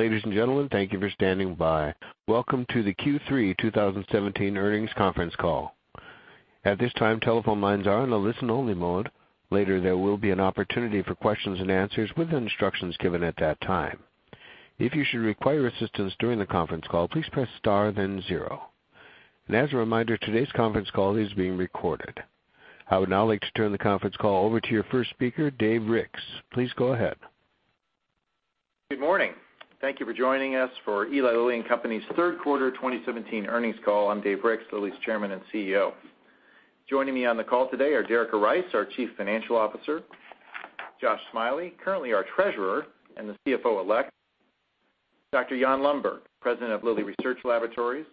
Ladies and gentlemen, thank you for standing by. Welcome to the Q3 2017 earnings conference call. At this time, telephone lines are in a listen-only mode. Later, there will be an opportunity for questions and answers with instructions given at that time. If you should require assistance during the conference call, please press star then zero. As a reminder, today's conference call is being recorded. I would now like to turn the conference call over to your first speaker, David Ricks. Please go ahead. Good morning. Thank you for joining us for Eli Lilly and Company's third quarter 2017 earnings call. I'm Dave Ricks, Lilly's Chairman and CEO. Joining me on the call today are Derica Rice, our Chief Financial Officer, Josh Smiley, currently our Treasurer and the CFO elect, Dr. Jan Lundberg, President of Lilly Research Laboratories,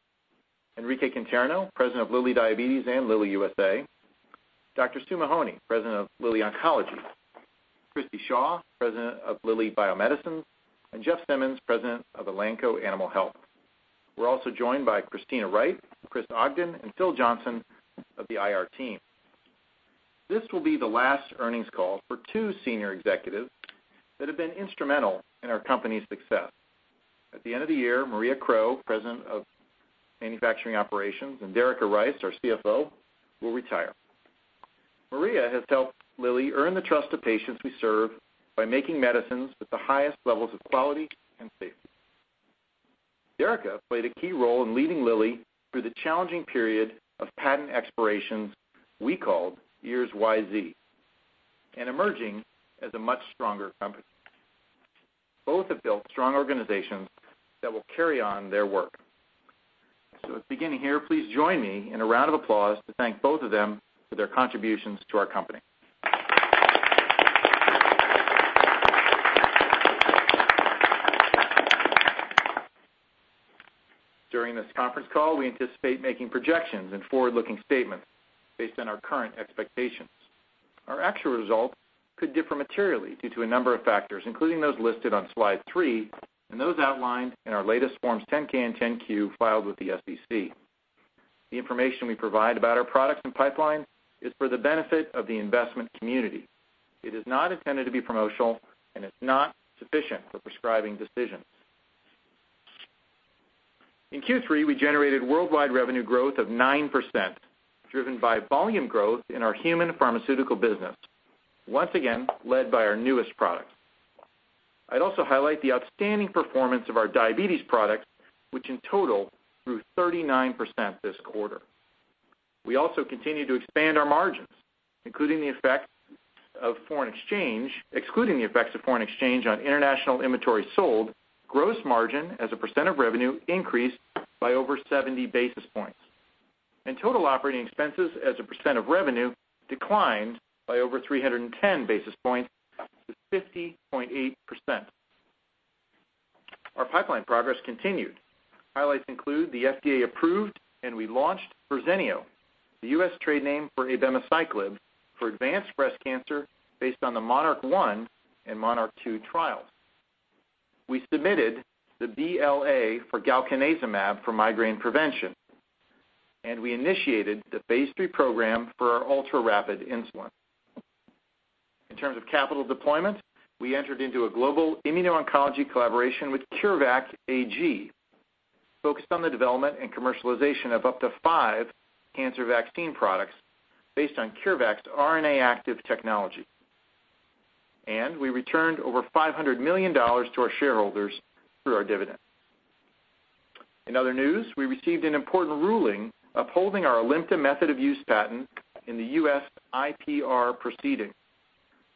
Enrique Conterno, President of Lilly Diabetes and Lilly USA, Dr. Sue Mahony, President of Lilly Oncology, Christi Shaw, President of Lilly Bio-Medicines, and Jeff Simmons, President of Elanco Animal Health. We're also joined by Christina Wright, Chris Ogden, and Phil Johnson of the IR team. This will be the last earnings call for two senior executives that have been instrumental in our company's success. At the end of the year, Maria Crowe, President of Manufacturing Operations, and Derica Rice, our CFO, will retire. Maria has helped Lilly earn the trust of patients we serve by making medicines with the highest levels of quality and safety. Derica played a key role in leading Lilly through the challenging period of patent expirations we called Years YZ, and emerging as a much stronger company. Both have built strong organizations that will carry on their work. At the beginning here, please join me in a round of applause to thank both of them for their contributions to our company. During this conference call, we anticipate making projections and forward-looking statements based on our current expectations. Our actual results could differ materially due to a number of factors, including those listed on slide three and those outlined in our latest Forms 10-K and 10-Q filed with the SEC. The information we provide about our products and pipeline is for the benefit of the investment community. It is not intended to be promotional and is not sufficient for prescribing decisions. In Q3, we generated worldwide revenue growth of 9%, driven by volume growth in our human pharmaceutical business, once again, led by our newest products. I'd also highlight the outstanding performance of our diabetes products, which in total grew 39% this quarter. We also continue to expand our margins, including the effect of foreign exchange, excluding the effects of foreign exchange on international inventory sold, gross margin as a percent of revenue increased by over 70 basis points. Total operating expenses as a percent of revenue declined by over 310 basis points to 50.8%. Our pipeline progress continued. Highlights include the FDA-approved, and we launched Verzenio, the U.S. trade name for abemaciclib for advanced breast cancer based on the MONARCH 1 and MONARCH 2 trials. We submitted the BLA for galcanezumab for migraine prevention. We initiated the phase III program for our ultrarapid insulin. In terms of capital deployment, we entered into a global immuno-oncology collaboration with CureVac AG, focused on the development and commercialization of up to five cancer vaccine products based on CureVac's RNActive technology. We returned over $500 million to our shareholders through our dividend. In other news, we received an important ruling upholding our Alimta method of use patent in the U.S. IPR proceeding.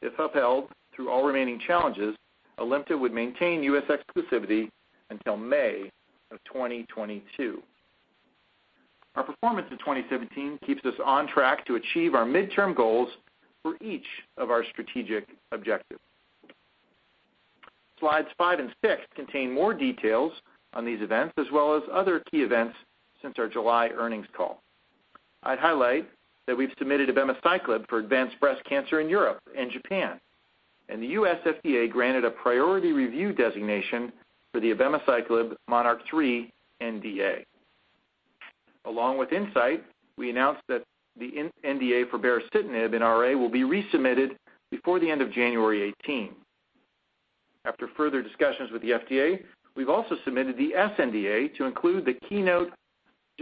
If upheld through all remaining challenges, Alimta would maintain U.S. exclusivity until May of 2022. Our performance in 2017 keeps us on track to achieve our midterm goals for each of our strategic objectives. Slides five and six contain more details on these events as well as other key events since our July earnings call. I'd highlight that we've submitted abemaciclib for advanced breast cancer in Europe and Japan. The U.S. FDA granted a priority review designation for the abemaciclib MONARCH 3 NDA. Along with Incyte, we announced that the NDA for baricitinib in RA will be resubmitted before the end of January 2018. After further discussions with the FDA, we've also submitted the sNDA to include the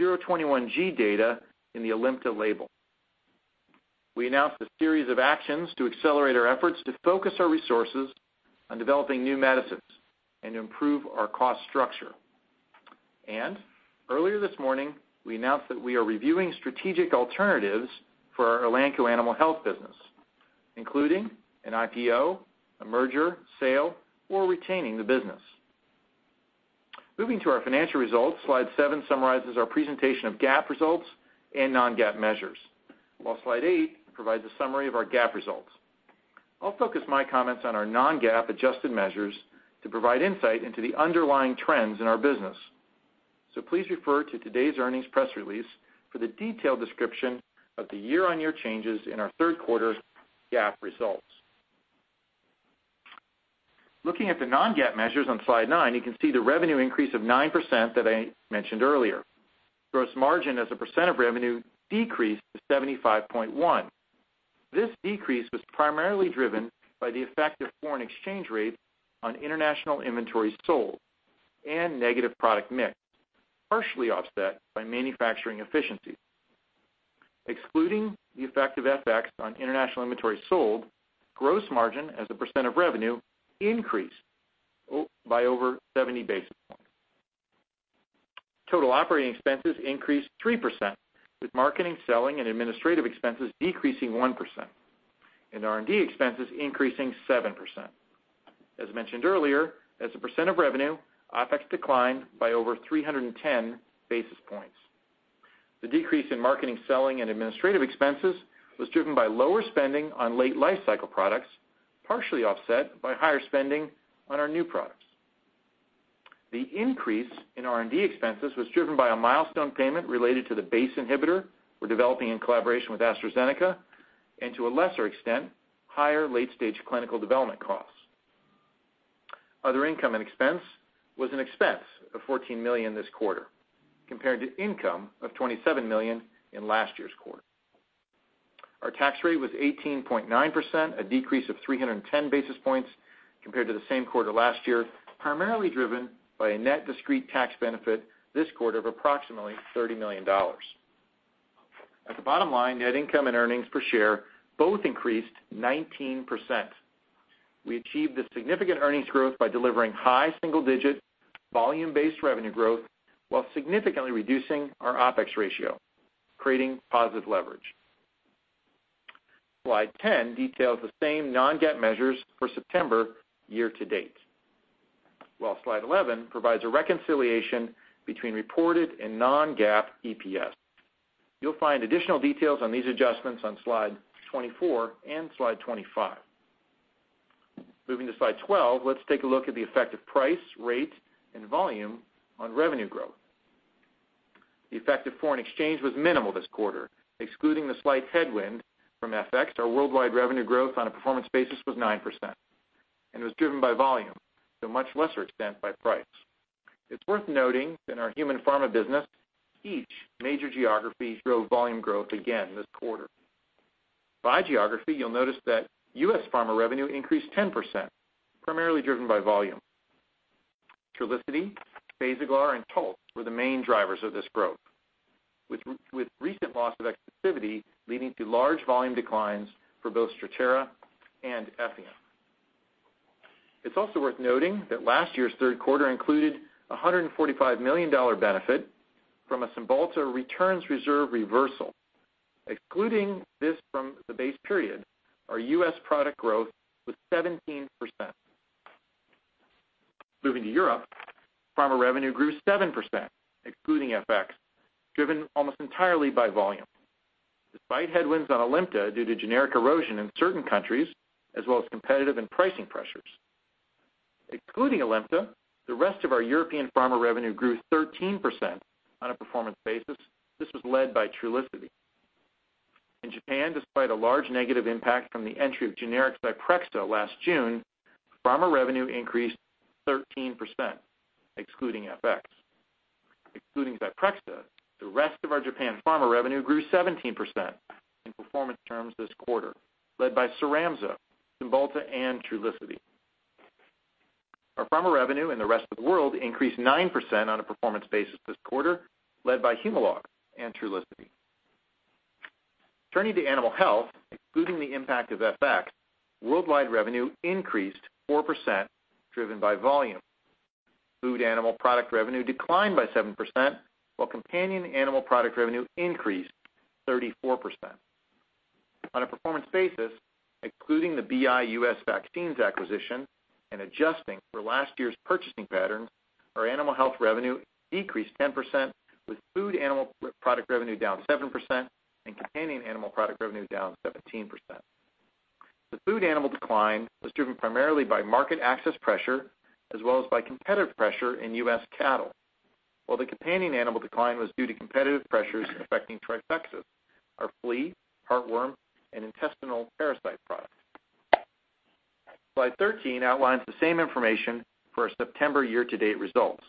KEYNOTE-021-G data in the Alimta label. We announced a series of actions to accelerate our efforts to focus our resources on developing new medicines and improve our cost structure. Earlier this morning, we announced that we are reviewing strategic alternatives for our Elanco Animal Health business, including an IPO, a merger, sale, or retaining the business. Moving to our financial results, slide seven summarizes our presentation of GAAP results and non-GAAP measures, while slide eight provides a summary of our GAAP results. I'll focus my comments on our non-GAAP adjusted measures to provide insight into the underlying trends in our business. Please refer to today's earnings press release for the detailed description of the year-on-year changes in our third quarter GAAP results. Looking at the non-GAAP measures on slide nine, you can see the revenue increase of 9% that I mentioned earlier. Gross margin as a percent of revenue decreased to 75.1%. This decrease was primarily driven by the effect of foreign exchange rates on international inventory sold and negative product mix, partially offset by manufacturing efficiencies. Excluding the effect of FX on international inventory sold, gross margin as a percent of revenue increased by over 70 basis points. Total operating expenses increased 3%, with marketing, selling, and administrative expenses decreasing 1%. R&D expenses increasing 7%. As mentioned earlier, as a percent of revenue, OpEx declined by over 310 basis points. The decrease in marketing, selling, and administrative expenses was driven by lower spending on late lifecycle products, partially offset by higher spending on our new products. The increase in R&D expenses was driven by a milestone payment related to the BACE inhibitor we're developing in collaboration with AstraZeneca. To a lesser extent, higher late-stage clinical development costs. Other income and expense was an expense of $14 million this quarter, compared to income of $27 million in last year's quarter. Our tax rate was 18.9%, a decrease of 310 basis points compared to the same quarter last year, primarily driven by a net discrete tax benefit this quarter of approximately $30 million. At the bottom line, net income and earnings per share both increased 19%. We achieved this significant earnings growth by delivering high single-digit volume-based revenue growth while significantly reducing our OpEx ratio, creating positive leverage. Slide 10 details the same non-GAAP measures for September year-to-date, while Slide 11 provides a reconciliation between reported and non-GAAP EPS. You'll find additional details on these adjustments on Slide 24 and Slide 25. Moving to Slide 12, let's take a look at the effect of price, rate, and volume on revenue growth. The effect of foreign exchange was minimal this quarter. Excluding the slight headwind from FX, our worldwide revenue growth on a performance basis was 9% and was driven by volume, to a much lesser extent by price. It's worth noting that in our human pharma business, each major geography showed volume growth again this quarter. By geography, you'll notice that U.S. pharma revenue increased 10%, primarily driven by volume. Trulicity, Basaglar, and Taltz were the main drivers of this growth, with recent loss of exclusivity leading to large volume declines for both Strattera and Effient. It's also worth noting that last year's third quarter included a $145 million benefit from a Cymbalta returns reserve reversal. Excluding this from the base period, our U.S. product growth was 17%. Moving to Europe, pharma revenue grew 7%, excluding FX, driven almost entirely by volume, despite headwinds on Alimta due to generic erosion in certain countries, as well as competitive and pricing pressures. Excluding Alimta, the rest of our European pharma revenue grew 13% on a performance basis. This was led by Trulicity. In Japan, despite a large negative impact from the entry of generic Zyprexa last June, pharma revenue increased 13%, excluding FX. Excluding Zyprexa, the rest of our Japan pharma revenue grew 17% in performance terms this quarter, led by Cyramza, Cymbalta, and Trulicity. Our pharma revenue in the rest of the world increased 9% on a performance basis this quarter, led by Humalog and Trulicity. Turning to animal health, excluding the impact of FX, worldwide revenue increased 4%, driven by volume. Food animal product revenue declined by 7%, while companion animal product revenue increased 34%. On a performance basis, including the Boehringer Ingelheim U.S. Vaccines acquisition and adjusting for last year's purchasing patterns, our animal health revenue decreased 10%, with food animal product revenue down 7% and companion animal product revenue down 17%. The food animal decline was driven primarily by market access pressure, as well as by competitive pressure in U.S. cattle, while the companion animal decline was due to competitive pressures affecting Trifexis, our flea, heartworm, and intestinal parasite product. Slide 13 outlines the same information for our September year-to-date results.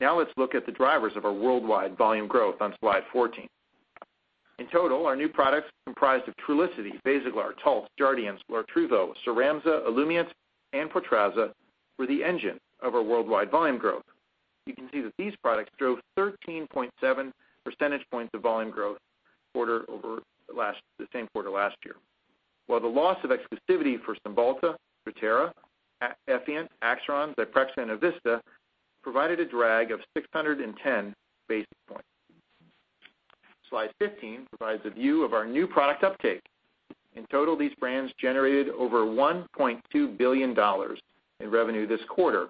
Now let's look at the drivers of our worldwide volume growth on Slide 14. In total, our new products comprised of Trulicity, Basaglar, Taltz, Jardiance, Lartruvo, Cyramza, Olumiant, and Portraza were the engine of our worldwide volume growth. You can see that these products drove 13.7 percentage points of volume growth quarter over the same quarter last year. While the loss of exclusivity for Cymbalta, Strattera, Effient, Axiron, Zyprexa, and Evista provided a drag of 610 basis points. Slide 15 provides a view of our new product uptake. In total, these brands generated over $1.2 billion in revenue this quarter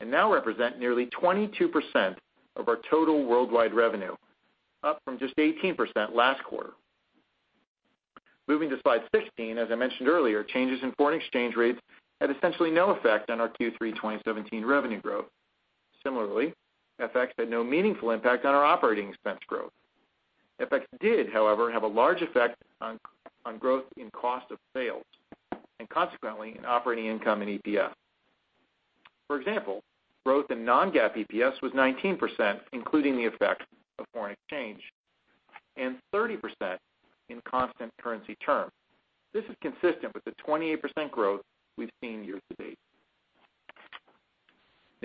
and now represent nearly 22% of our total worldwide revenue, up from just 18% last quarter. Moving to Slide 16, as I mentioned earlier, changes in foreign exchange rates had essentially no effect on our Q3 2017 revenue growth. Similarly, FX had no meaningful impact on our operating expense growth. FX did, however, have a large effect on growth in cost of sales and consequently in operating income and EPS. For example, growth in non-GAAP EPS was 19%, including the effect of foreign exchange, and 30% in constant currency terms. This is consistent with the 28% growth we've seen year-to-date.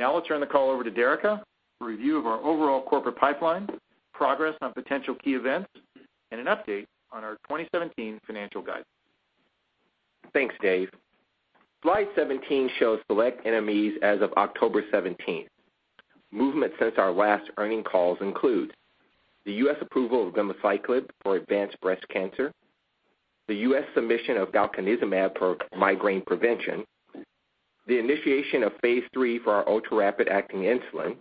I'll turn the call over to Derica for review of our overall corporate pipeline, progress on potential key events, and an update on our 2017 financial guidance. Thanks, Dave. Slide 17 shows select NMEs as of October 17. Movements since our last earning calls include the U.S. approval of abemaciclib for advanced breast cancer, the U.S. submission of galcanezumab for migraine prevention, the initiation of phase III for our ultrarapid-acting insulin,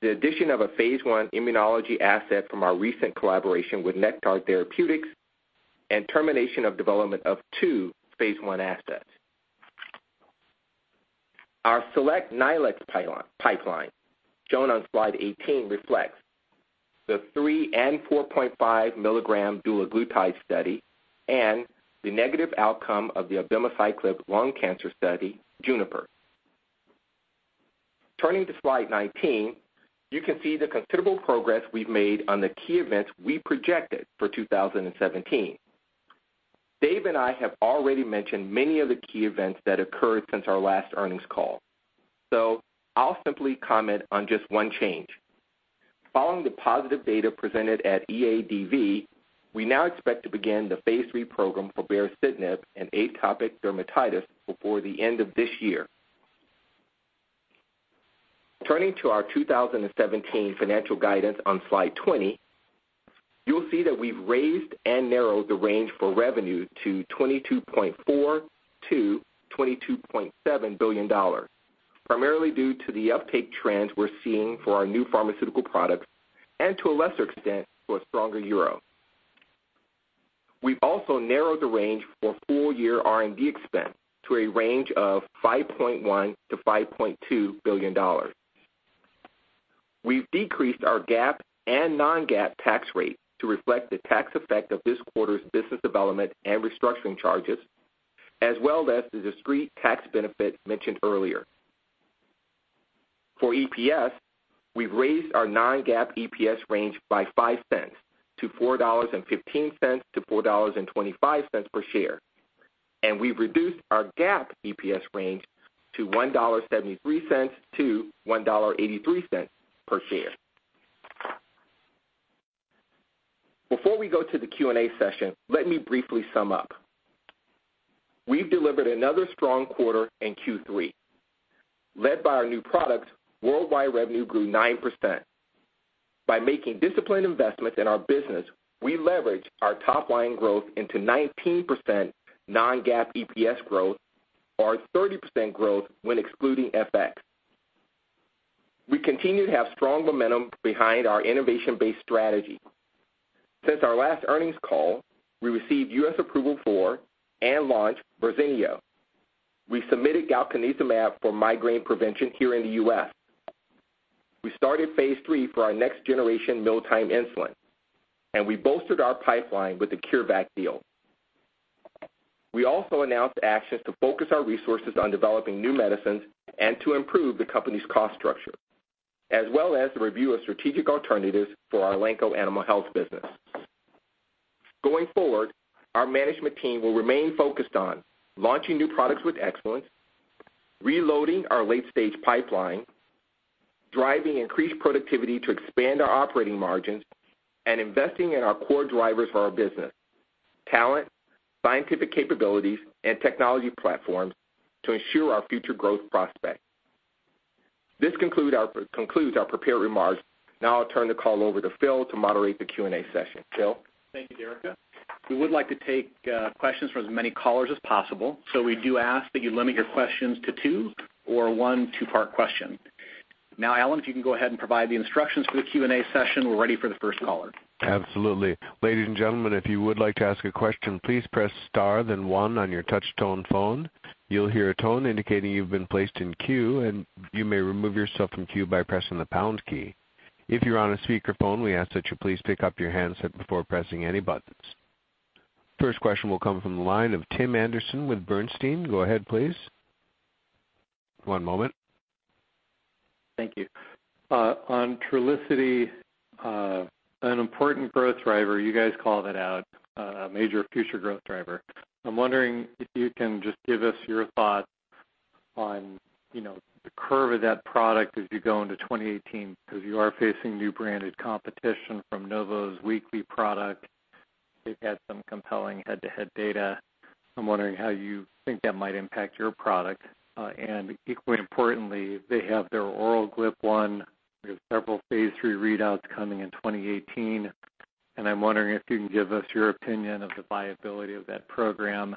the addition of a phase I immunology asset from our recent collaboration with Nektar Therapeutics, and termination of development of two phase I assets. Our select NYLC pipeline, shown on slide 18, reflects the three and 4.5 milligram dulaglutide study and the negative outcome of the abemaciclib lung cancer study, JUNIPER. Turning to slide 19, you can see the considerable progress we've made on the key events we projected for 2017. Dave and I have already mentioned many of the key events that occurred since our last earnings call. I'll simply comment on just one change. Following the positive data presented at EADV, we now expect to begin the phase III program for baricitinib and atopic dermatitis before the end of this year. Turning to our 2017 financial guidance on slide 20, you'll see that we've raised and narrowed the range for revenue to $22.4 billion-$22.7 billion, primarily due to the uptake trends we're seeing for our new pharmaceutical products and, to a lesser extent, to a stronger euro. We've also narrowed the range for full-year R&D expense to a range of $5.1 billion-$5.2 billion. We've decreased our GAAP and non-GAAP tax rate to reflect the tax effect of this quarter's business development and restructuring charges, as well as the discrete tax benefit mentioned earlier. For EPS, we've raised our non-GAAP EPS range by $0.05 to $4.15-$4.25 per share, and we've reduced our GAAP EPS range to $1.73-$1.83 per share. Before we go to the Q&A session, let me briefly sum up. We've delivered another strong quarter in Q3. Led by our new products, worldwide revenue grew 9%. By making disciplined investments in our business, we leveraged our top-line growth into 19% non-GAAP EPS growth, or 30% growth when excluding FX. We continue to have strong momentum behind our innovation-based strategy. Since our last earnings call, we received U.S. approval for and launched Verzenio. We submitted galcanezumab for migraine prevention here in the U.S. We started phase III for our next-generation mealtime insulin, and we bolstered our pipeline with the CureVac deal. We also announced actions to focus our resources on developing new medicines and to improve the company's cost structure, as well as the review of strategic alternatives for our Elanco Animal Health business. Going forward, our management team will remain focused on launching new products with excellence, reloading our late-stage pipeline, driving increased productivity to expand our operating margins, and investing in our core drivers for our business, talent, scientific capabilities, and technology platforms to ensure our future growth prospects. This concludes our prepared remarks. Now I'll turn the call over to Phil to moderate the Q&A session. Phil? Thank you, Derica. We would like to take questions from as many callers as possible, so we do ask that you limit your questions to two or one two-part question. Now, Alan, if you can go ahead and provide the instructions for the Q&A session, we're ready for the first caller. Absolutely. Ladies and gentlemen, if you would like to ask a question, please press star then one on your touch tone phone. You'll hear a tone indicating you've been placed in queue, and you may remove yourself from queue by pressing the pound key. If you're on a speakerphone, we ask that you please pick up your handset before pressing any buttons. First question will come from the line of Tim Anderson with Bernstein. Go ahead, please. One moment. Thank you. On Trulicity, an important growth driver, you guys called it out a major future growth driver. I'm wondering if you can just give us your thoughts on the curve of that product as you go into 2018, because you are facing new branded competition from Novo's weekly product. They've had some compelling head-to-head data. I'm wondering how you think that might impact your product. Equally importantly, they have their oral GLP-1 with several phase III readouts coming in 2018, and I'm wondering if you can give us your opinion of the viability of that program.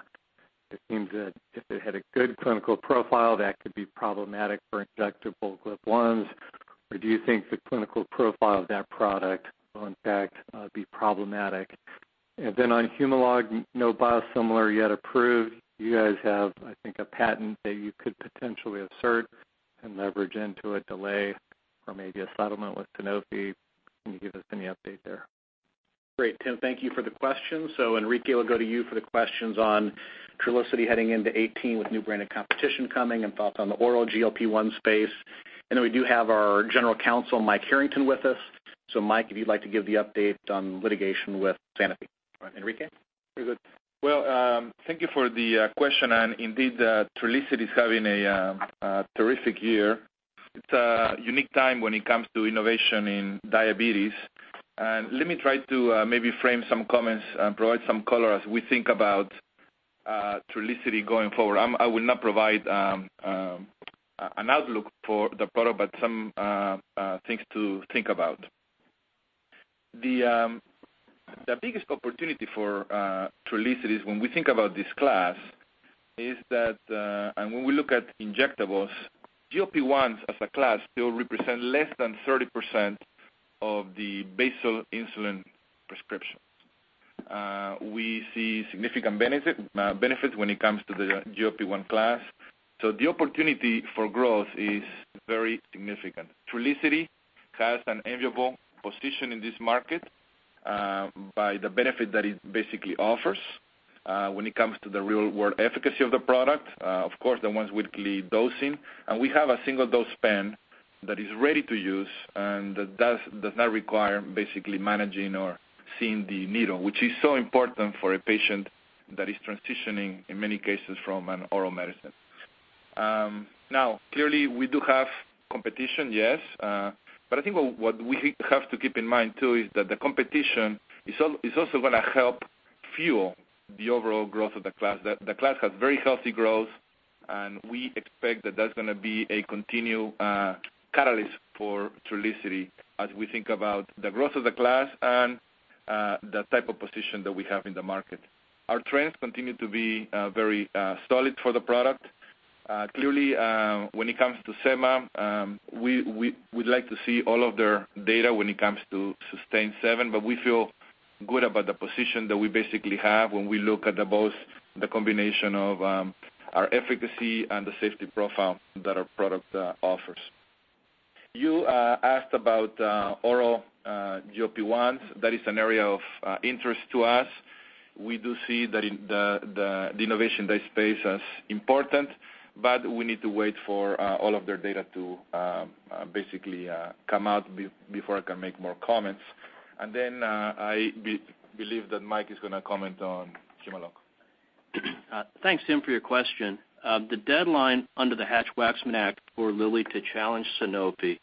It seems that if it had a good clinical profile, that could be problematic for injectable GLP-1s. Do you think the clinical profile of that product will in fact be problematic? Then on Humalog, no biosimilar yet approved. You guys have, I think, a patent that you could potentially assert and leverage into a delay or maybe a settlement with Sanofi. Can you give us any update there? Great, Tim, thank you for the question. Enrique, we'll go to you for the questions on Trulicity heading into 2018 with new brand and competition coming and thoughts on the oral GLP-1 space. Then we do have our general counsel, Michael Harrington, with us. Mike, if you'd like to give the update on litigation with Sanofi. Enrique? Very good. Well, thank you for the question, indeed, Trulicity is having a terrific year. It's a unique time when it comes to innovation in diabetes. Let me try to maybe frame some comments and provide some color as we think about Trulicity going forward. I will not provide an outlook for the product, but some things to think about. The biggest opportunity for Trulicity is when we think about this class, and when we look at injectables, GLP-1 as a class still represent less than 30% of the basal insulin prescriptions. We see significant benefits when it comes to the GLP-1 class. The opportunity for growth is very significant. Trulicity has an enviable position in this market, by the benefit that it basically offers, when it comes to the real-world efficacy of the product, of course, the once-weekly dosing. We have a single-dose pen that is ready to use and that does not require basically managing or seeing the needle, which is so important for a patient that is transitioning, in many cases, from an oral medicine. Now, clearly, we do have competition, yes. I think what we have to keep in mind, too, is that the competition is also going to help fuel the overall growth of the class. The class has very healthy growth, and we expect that that's going to be a continued catalyst for Trulicity as we think about the growth of the class and the type of position that we have in the market. Our trends continue to be very solid for the product. Clearly, when it comes to semaglutide, we'd like to see all of their data when it comes to SUSTAIN 7. We feel good about the position that we basically have when we look at both the combination of our efficacy and the safety profile that our product offers. You asked about oral GLP-1. That is an area of interest to us. We do see the innovation in that space as important. We need to wait for all of their data to basically come out before I can make more comments. I believe that Mike is going to comment on Humalog. Thanks, Tim, for your question. The deadline under the Hatch-Waxman Act for Lilly to challenge Sanofi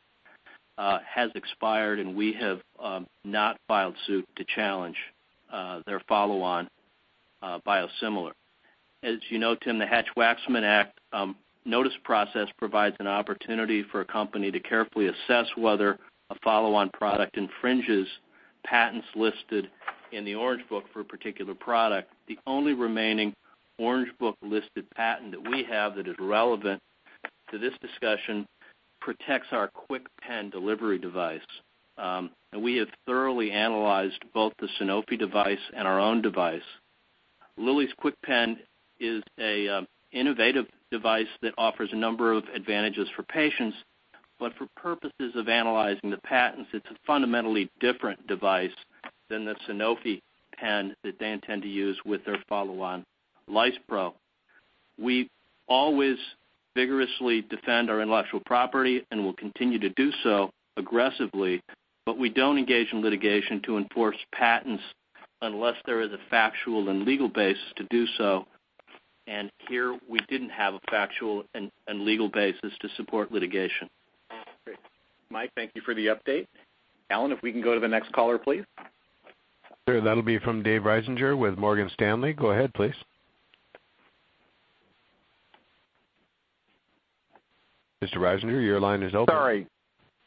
has expired. We have not filed suit to challenge their follow-on biosimilar. As you know, Tim, the Hatch-Waxman Act notice process provides an opportunity for a company to carefully assess whether a follow-on product infringes patents listed in the Orange Book for a particular product. The only remaining Orange Book-listed patent that we have that is relevant to this discussion protects our KwikPen delivery device. We have thoroughly analyzed both the Sanofi device and our own device. Lilly's KwikPen is an innovative device that offers a number of advantages for patients. For purposes of analyzing the patents, it's a fundamentally different device than the Sanofi pen that they intend to use with their follow-on lispro. We always vigorously defend our intellectual property and will continue to do so aggressively. We don't engage in litigation to enforce patents unless there is a factual and legal basis to do so. Here, we didn't have a factual and legal basis to support litigation. Great. Mike, thank you for the update. Alan, if we can go to the next caller, please. Sure. That'll be from David Risinger with Morgan Stanley. Go ahead, please. Mr. Risinger, your line is open. Sorry.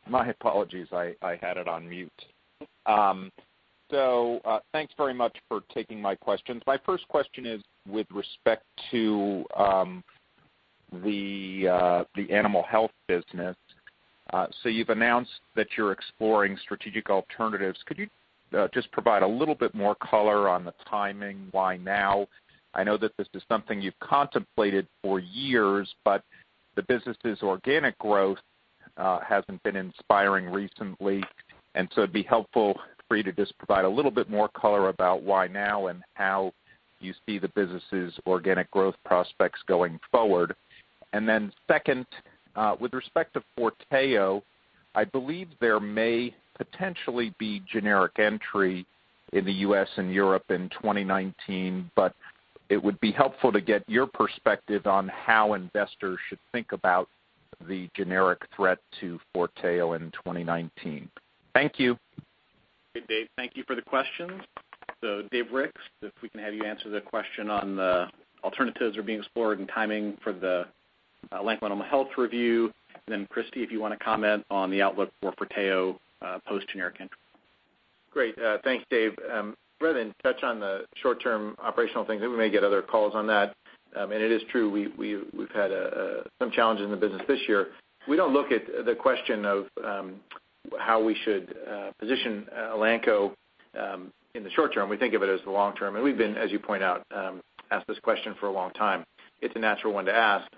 My apologies. I had it on mute. Thanks very much for taking my questions. My first question is with respect to the animal health business. You've announced that you're exploring strategic alternatives. Could you just provide a little bit more color on the timing, why now? I know that this is something you've contemplated for years, but the business's organic growth hasn't been inspiring recently, it'd be helpful for you to just provide a little bit more color about why now and how you see the business's organic growth prospects going forward. Second, with respect to Forteo, I believe there may potentially be generic entry in the U.S. and Europe in 2019, but it would be helpful to get your perspective on how investors should think about the generic threat to Forteo in 2019. Thank you. Hey, Dave. Thank you for the questions. David Ricks, if we can have you answer the question on the alternatives are being explored and timing for the Elanco Animal Health review. Christi, if you want to comment on the outlook for Forteo post-generic entry. Great. Thanks, Dave. Rather than touch on the short-term operational things, we may get other calls on that. It is true, we've had some challenges in the business this year. We don't look at the question of how we should position Elanco in the short term. We think of it as the long term. We've been, as you point out, asked this question for a long time. It's a natural one to ask.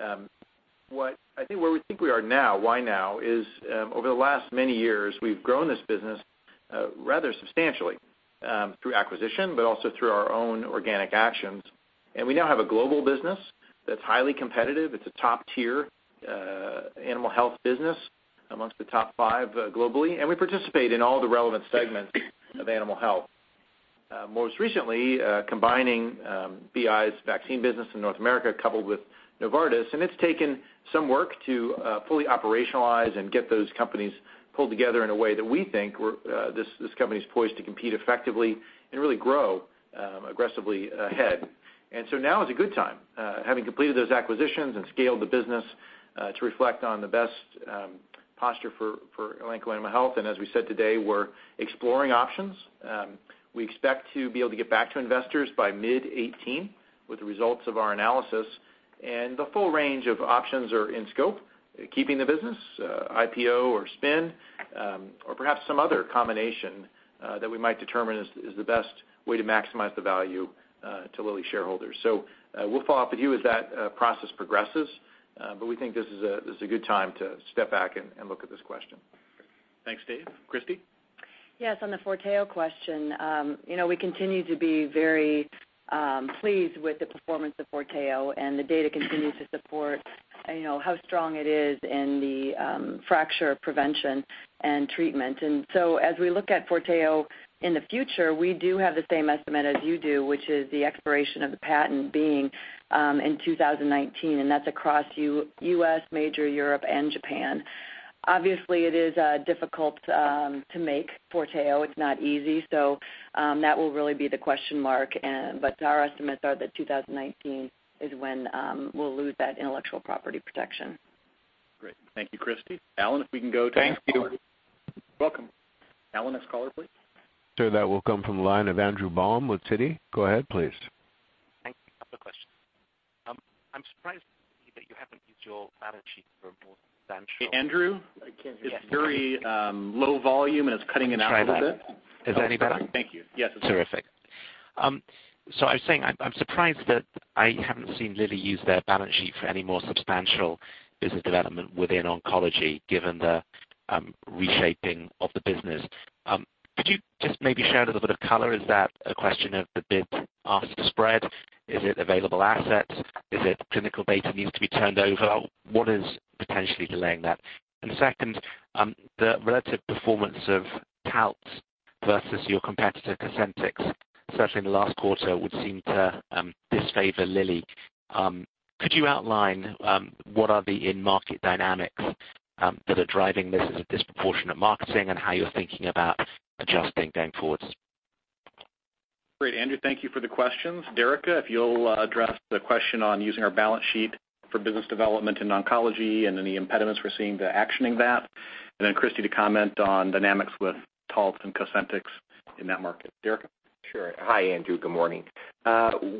I think where we think we are now, why now is, over the last many years, we've grown this business rather substantially through acquisition, but also through our own organic actions. We now have a global business that's highly competitive. It's a top-tier animal health business amongst the top 5 globally, and we participate in all the relevant segments of animal health. Most recently, combining BI's vaccine business in North America coupled with Novartis, it's taken some work to fully operationalize and get those companies pulled together in a way that we think this company's poised to compete effectively and really grow aggressively ahead. Now is a good time, having completed those acquisitions and scaled the business to reflect on the best posture for Elanco Animal Health. As we said today, we're exploring options. We expect to be able to get back to investors by mid 2018 with the results of our analysis. The full range of options are in scope, keeping the business, IPO or spin, or perhaps some other combination that we might determine is the best way to maximize the value to Lilly shareholders. We'll follow up with you as that process progresses, but we think this is a good time to step back and look at this question. Thanks, Dave. Christi? Yes, on the FORTEO question. We continue to be very pleased with the performance of FORTEO, the data continues to support how strong it is in the fracture prevention and treatment. As we look at FORTEO in the future, we do have the same estimate as you do, which is the expiration of the patent being in 2019, and that's across U.S., major Europe, and Japan. Obviously, it is difficult to make FORTEO. It's not easy. That will really be the question mark. But our estimates are that 2019 is when we'll lose that intellectual property protection. Great. Thank you, Christi. Alan, if we can go to next caller. Thank you. Welcome. Alan, next caller, please. Sure. That will come from the line of Andrew Baum with Citi. Go ahead, please. Thanks. Couple of questions. I'm surprised that you haven't used your balance sheet for more than- Andrew? I can't hear. It's very low volume, and it's cutting in and out a bit. Try this. Is that any better? Thank you. Yes, it's better. Terrific. I was saying, I'm surprised that I haven't seen Lilly use their balance sheet for any more substantial business development within oncology, given the reshaping of the business. Could you just maybe share a little bit of color? Is that a question of the bid-ask spread? Is it available assets? Is it clinical data needs to be turned over? What is potentially delaying that? Second, the relative performance of Taltz versus your competitor Cosentyx, certainly in the last quarter, would seem to disfavor Lilly. Could you outline what are the in-market dynamics that are driving this as a disproportionate marketing and how you're thinking about adjusting going forwards? Great, Andrew. Thank you for the questions. Derica, if you'll address the question on using our balance sheet for business development in oncology and any impediments we're seeing to actioning that, and then Christi to comment on dynamics with Taltz and Cosentyx in that market. Derica? Sure. Hi, Andrew. Good morning.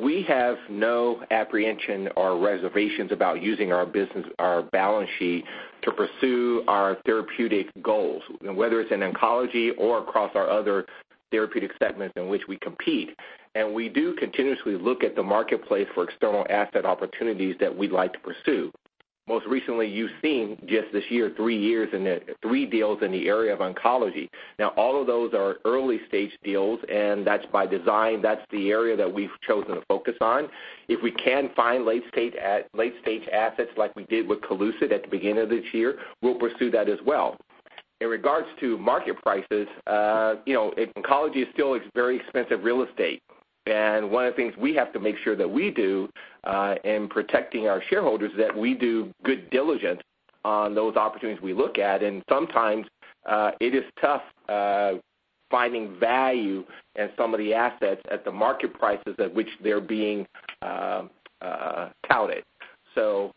We have no apprehension or reservations about using our balance sheet to pursue our therapeutic goals, whether it's in oncology or across our other therapeutic segments in which we compete. We do continuously look at the marketplace for external asset opportunities that we'd like to pursue. Most recently, you've seen just this year, three deals in the area of oncology. Now, all of those are early-stage deals, and that's by design. That's the area that we've chosen to focus on. If we can find late-stage assets like we did with CoLucid at the beginning of this year, we'll pursue that as well. In regards to market prices, oncology is still very expensive real estate, and one of the things we have to make sure that we do in protecting our shareholders is that we do good diligence on those opportunities we look at. Sometimes it is tough finding value in some of the assets at the market prices at which they're being touted.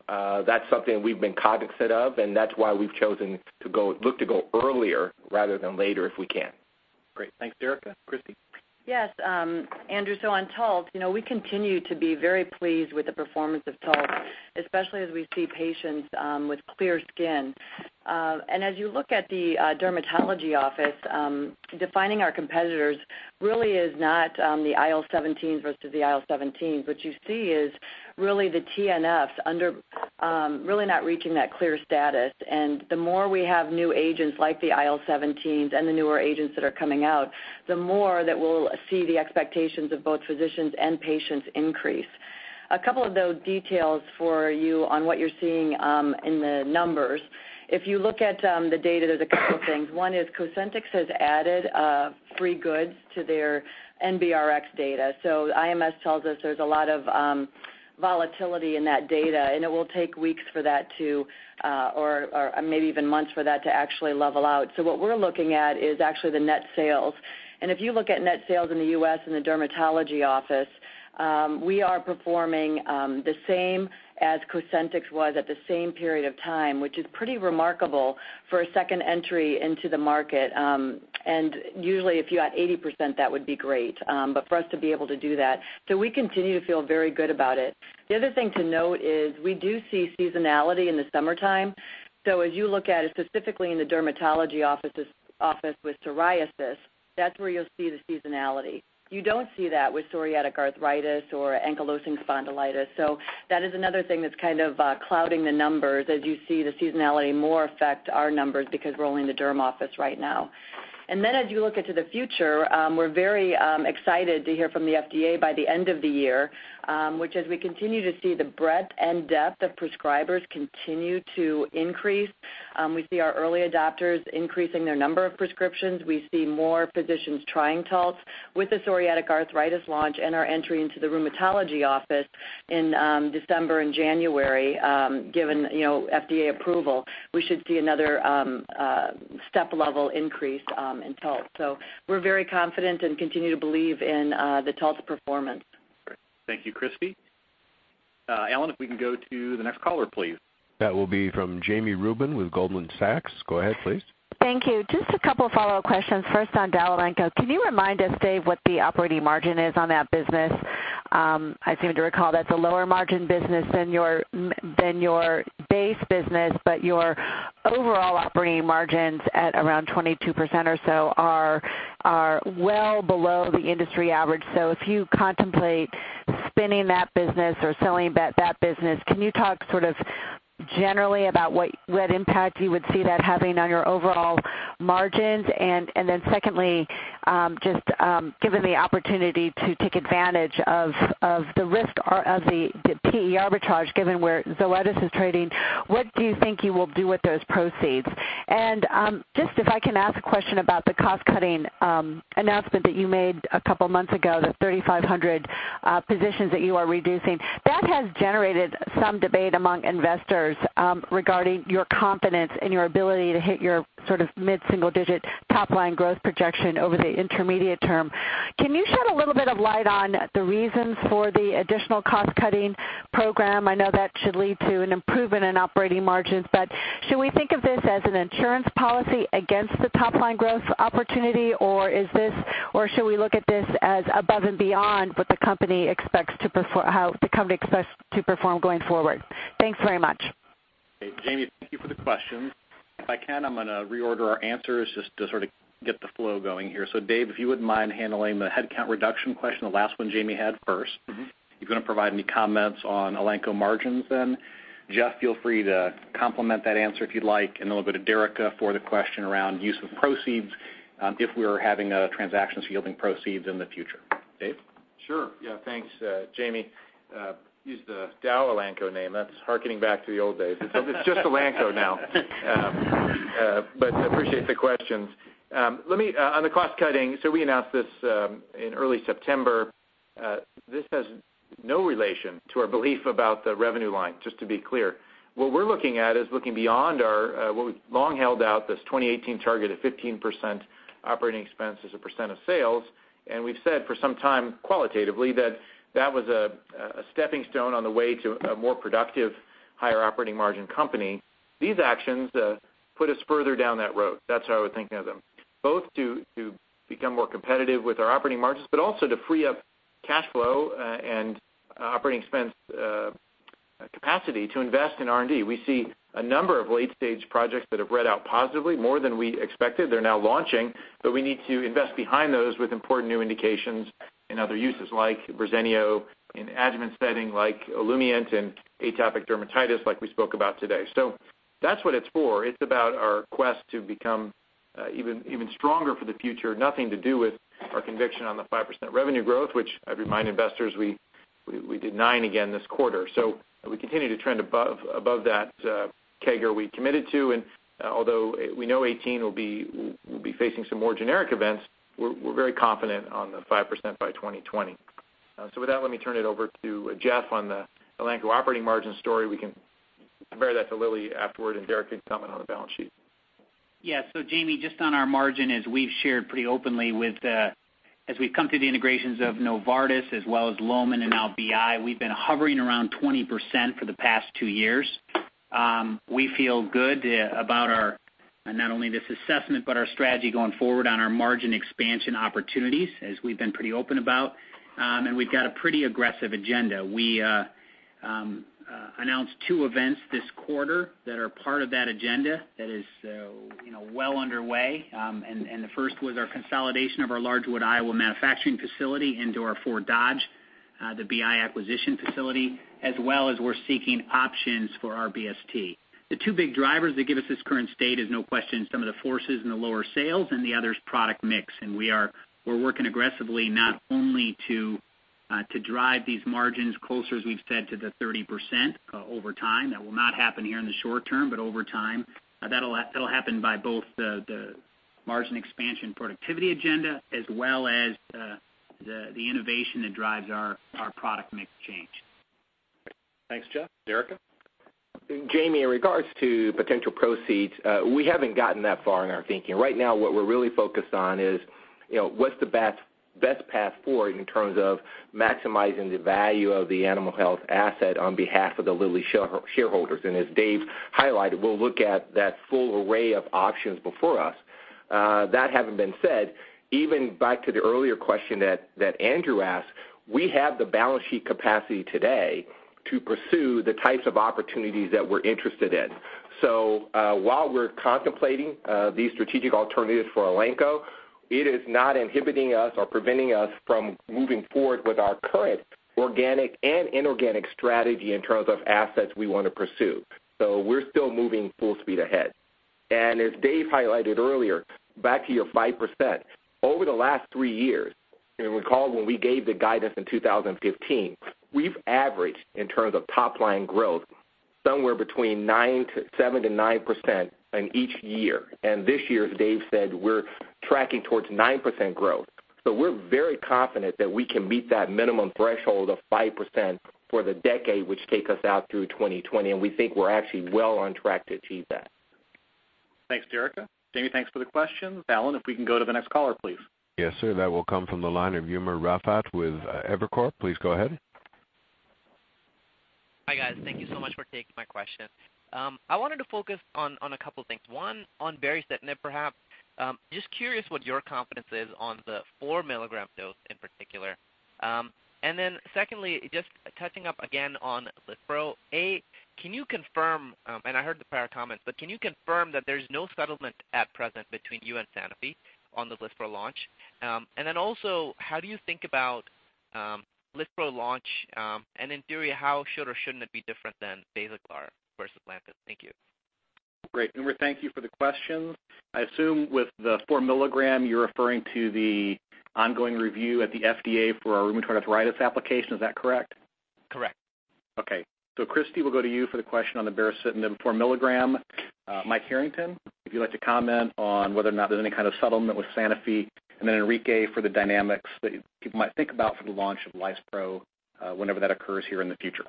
That's something we've been cognizant of, and that's why we've chosen to look to go earlier rather than later if we can. Great. Thanks, Derica. Christi? Yes. Andrew, on Taltz, we continue to be very pleased with the performance of Taltz, especially as we see patients with clear skin. As you look at the dermatology office, defining our competitors really is not the IL-17s versus the IL-17s. What you see is really the TNFs really not reaching that clear status. The more we have new agents like the IL-17s and the newer agents that are coming out, the more that we'll see the expectations of both physicians and patients increase. A couple of the details for you on what you're seeing in the numbers. If you look at the data, there's a couple of things. One is Cosentyx has added free goods to their NBRx data. IMS tells us there's a lot of volatility in that data, and it will take weeks or maybe even months for that to actually level out. What we're looking at is actually the net sales. If you look at net sales in the U.S. in the dermatology office, we are performing the same as Cosentyx was at the same period of time, which is pretty remarkable for a second entry into the market. Usually if you're at 80%, that would be great. For us to be able to do that, so we continue to feel very good about it. The other thing to note is we do see seasonality in the summertime. As you look at it specifically in the dermatology office with psoriasis, that's where you'll see the seasonality. You don't see that with psoriatic arthritis or ankylosing spondylitis. That is another thing that's kind of clouding the numbers as you see the seasonality more affect our numbers because we're only in the derm office right now. As you look into the future, we're very excited to hear from the FDA by the end of the year, which as we continue to see the breadth and depth of prescribers continue to increase, we see our early adopters increasing their number of prescriptions. We see more physicians trying Taltz with the psoriatic arthritis launch and our entry into the rheumatology office in December and January. Given FDA approval, we should see another step-level increase in Taltz. We're very confident and continue to believe in the Taltz performance. Great. Thank you, Christi. Alan, if we can go to the next caller, please. That will be from Jami Rubin with Goldman Sachs. Go ahead, please. Thank you. Just a couple follow-up questions. First on Elanco Animal Health. Can you remind us, Dave, what the operating margin is on that business? I seem to recall that's a lower margin business than your base business, but your overall operating margins at around 22% or so are well below the industry average. If you contemplate spinning that business or selling that business, can you talk sort of generally about what impact you would see that having on your overall margins? Secondly, just given the opportunity to take advantage of the risk of the PE arbitrage, given where Zoetis is trading, what do you think you will do with those proceeds? Just if I can ask a question about the cost-cutting announcement that you made a couple of months ago, the 3,500 positions that you are reducing. That has generated some debate among investors regarding your confidence in your ability to hit your sort of mid-single-digit top-line growth projection over the intermediate term. Can you shed a little bit of light on the reasons for the additional cost-cutting program? I know that should lead to an improvement in operating margins, should we think of this as an insurance policy against the top-line growth opportunity, or should we look at this as above and beyond how the company expects to perform going forward? Thanks very much. Jami, thank you for the questions. If I can, I'm going to reorder our answers just to sort of get the flow going here. Dave, if you wouldn't mind handling the headcount reduction question, the last one Jami had first. You going to provide any comments on Elanco margins? Jeff, feel free to complement that answer if you'd like. We'll go to Derica for the question around use of proceeds if we're having transactions yielding proceeds in the future. Dave? Sure. Yeah, thanks. Jami used the DowElanco name. That's hearkening back to the old days. It's just Elanco now. Appreciate the questions. On the cost-cutting, we announced this in early September. This has no relation to our belief about the revenue line, just to be clear. What we're looking at is looking beyond what we've long held out, this 2018 target of 15% operating expense as a percent of sales, we've said for some time qualitatively that that was a stepping stone on the way to a more productive, higher operating margin company. These actions put us further down that road. That's how I would think of them. Both to become more competitive with our operating margins, also to free up cash flow and operating expense capacity to invest in R&D. We see a number of late-stage projects that have read out positively, more than we expected. They're now launching, but we need to invest behind those with important new indications in other uses like Verzenio in adjuvant setting, like Olumiant in atopic dermatitis like we spoke about today. That's what it's for. It's about our quest to become even stronger for the future. Nothing to do with our conviction on the 5% revenue growth, which I remind investors, we did 9% again this quarter. We continue to trend above that CAGR we committed to, and although we know 2018 will be facing some more generic events, we're very confident on the 5% by 2020. With that, let me turn it over to Jeff on the Elanco operating margin story. We can compare that to Lilly afterward, and Derica can comment on the balance sheet. Yeah, Jami, just on our margin, as we've shared pretty openly with the as we've come through the integrations of Novartis as well as Lohmann and now BI, we've been hovering around 20% for the past two years. We feel good about not only this assessment, but our strategy going forward on our margin expansion opportunities, as we've been pretty open about. We've got a pretty aggressive agenda. We announced two events this quarter that are part of that agenda that is well underway, and the first was our consolidation of our Larchwood Iowa manufacturing facility into our Fort Dodge, the BI acquisition facility, as well as we're seeking options for rBST. The two big drivers that give us this current state is no question some of the forces in the lower sales and the other's product mix. We're working aggressively not only to drive these margins closer, as we've said, to the 30% over time. That will not happen here in the short term, but over time. That'll happen by both the margin expansion productivity agenda as well as the innovation that drives our product mix change. Thanks, Jeff. Derica? Jami, in regards to potential proceeds, we haven't gotten that far in our thinking. Right now, what we're really focused on is what's the best path forward in terms of maximizing the value of the animal health asset on behalf of the Lilly shareholders. As Dave highlighted, we'll look at that full array of options before us. That having been said, even back to the earlier question that Andrew asked, we have the balance sheet capacity today to pursue the types of opportunities that we're interested in. While we're contemplating these strategic alternatives for Elanco, it is not inhibiting us or preventing us from moving forward with our current organic and inorganic strategy in terms of assets we want to pursue. We're still moving full speed ahead. As Dave highlighted earlier, back to your 5%, over the last three years, you may recall when we gave the guidance in 2015, we've averaged, in terms of top-line growth, somewhere between 7%-9% in each year. This year, as Dave said, we're tracking towards 9% growth. We're very confident that we can meet that minimum threshold of 5% for the decade, which takes us out through 2020, and we think we're actually well on track to achieve that. Thanks, Derica. Jami, thanks for the question. Allen, if we can go to the next caller, please. Yes, sir. That will come from the line of Umer Raffat with Evercore. Please go ahead. Hi, guys. Thank you so much for taking my question. I wanted to focus on a couple things. One, on baricitinib, perhaps. Just curious what your confidence is on the four milligram dose in particular. Can you confirm, and I heard the prior comments, but can you confirm that there's no settlement at present between you and Sanofi on the lispro launch? How do you think about lispro launch? In theory, how should or shouldn't it be different than Basaglar versus Lantus? Thank you. Great. Umer, thank you for the question. I assume with the four milligram, you're referring to the ongoing review at the FDA for our rheumatoid arthritis application. Is that correct? Correct. Okay. Christi, we'll go to you for the question on the baricitinib four milligram. Michael Harrington, if you'd like to comment on whether or not there's any kind of settlement with Sanofi. Enrique for the dynamics that people might think about for the launch of lispro, whenever that occurs here in the future.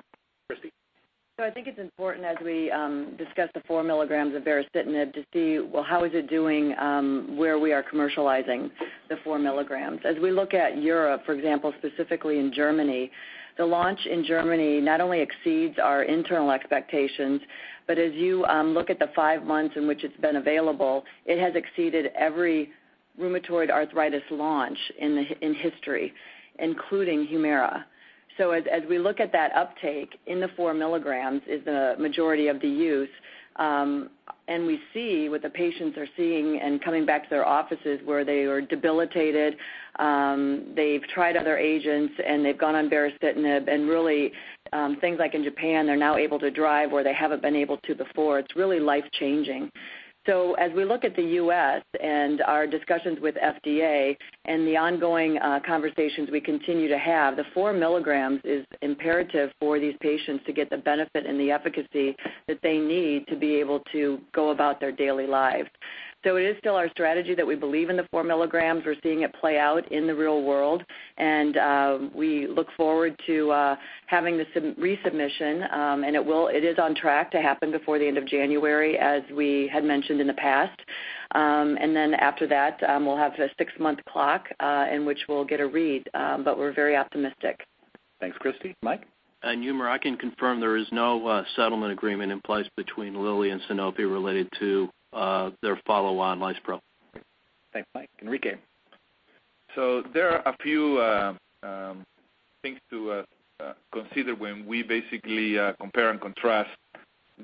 Christi? I think it's important as we discuss the four milligrams of baricitinib to see, well, how is it doing where we are commercializing the four milligrams. As we look at Europe, for example, specifically in Germany, the launch in Germany not only exceeds our internal expectations, but as you look at the five months in which it's been available, it has exceeded every rheumatoid arthritis launch in history, including Humira. As we look at that uptake in the four milligrams is the majority of the use, and we see what the patients are seeing and coming back to their offices where they were debilitated. They've tried other agents, and they've gone on baricitinib, and really things like in Japan, they're now able to drive where they haven't been able to before. It's really life-changing. As we look at the U.S. and our discussions with FDA and the ongoing conversations we continue to have, the 4 milligrams is imperative for these patients to get the benefit and the efficacy that they need to be able to go about their daily lives. It is still our strategy that we believe in the 4 milligrams. We're seeing it play out in the real world, we look forward to having the resubmission, it is on track to happen before the end of January, as we had mentioned in the past. Then after that, we'll have a six-month clock in which we'll get a read. We're very optimistic. Thanks, Christi. Mike? Umer, I can confirm there is no settlement agreement in place between Lilly and Sanofi related to their follow on lispro. Thanks, Mike. Enrique. There are a few things to consider when we basically compare and contrast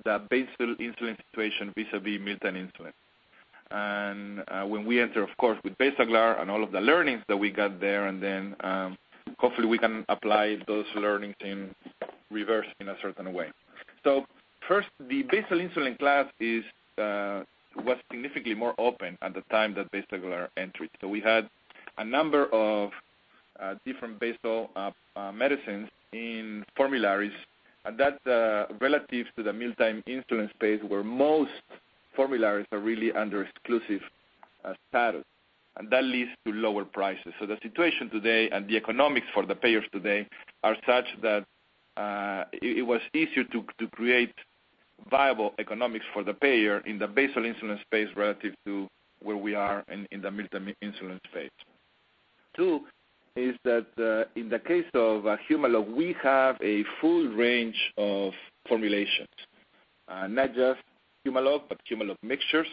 the basal insulin situation vis-à-vis mealtime insulin. When we enter, of course, with Basaglar and all of the learnings that we got there, then hopefully we can apply those learnings in reverse in a certain way. First, the basal insulin class was significantly more open at the time that Basaglar entered. We had a number of different basal medicines in formularies, and that's relative to the mealtime insulin space where most formularies are really under exclusive status, and that leads to lower prices. The situation today and the economics for the payers today are such that it was easier to create viable economics for the payer in the basal insulin space relative to where we are in the mealtime insulin space. Two is that in the case of Humalog, we have a full range of formulations. Not just Humalog, but Humalog mixtures.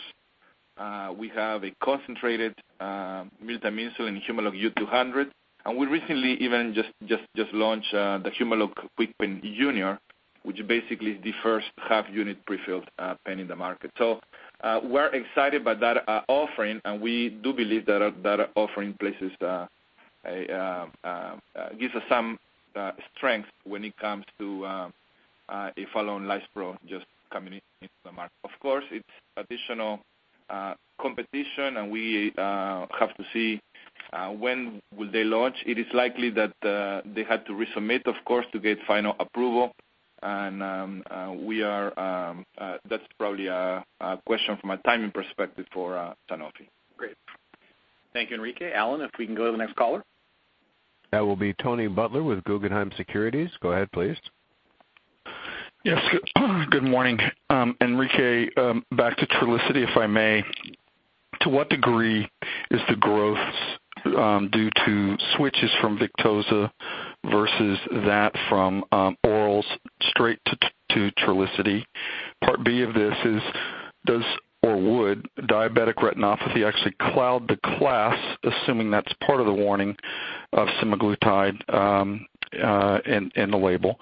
We have a concentrated mealtime insulin, Humalog U-200, and we recently even just launched the Humalog Junior KwikPen, which basically is the first half-unit prefilled pen in the market. We're excited by that offering, and we do believe that offering places gives us some strength when it comes to a follow on lispro just coming into the market. Of course, it's additional competition, and we have to see when will they launch. It is likely that they had to resubmit, of course, to get final approval. That's probably a question from a timing perspective for Sanofi. Great. Thank you, Enrique. Allen, if we can go to the next caller. That will be Tony Butler with Guggenheim Securities. Go ahead, please. Yes. Good morning. Enrique, back to Trulicity, if I may. To what degree is the growth due to switches from Victoza versus that from orals straight to Trulicity? Part B of this is, does or would diabetic retinopathy actually cloud the class, assuming that's part of the warning of semaglutide in the label.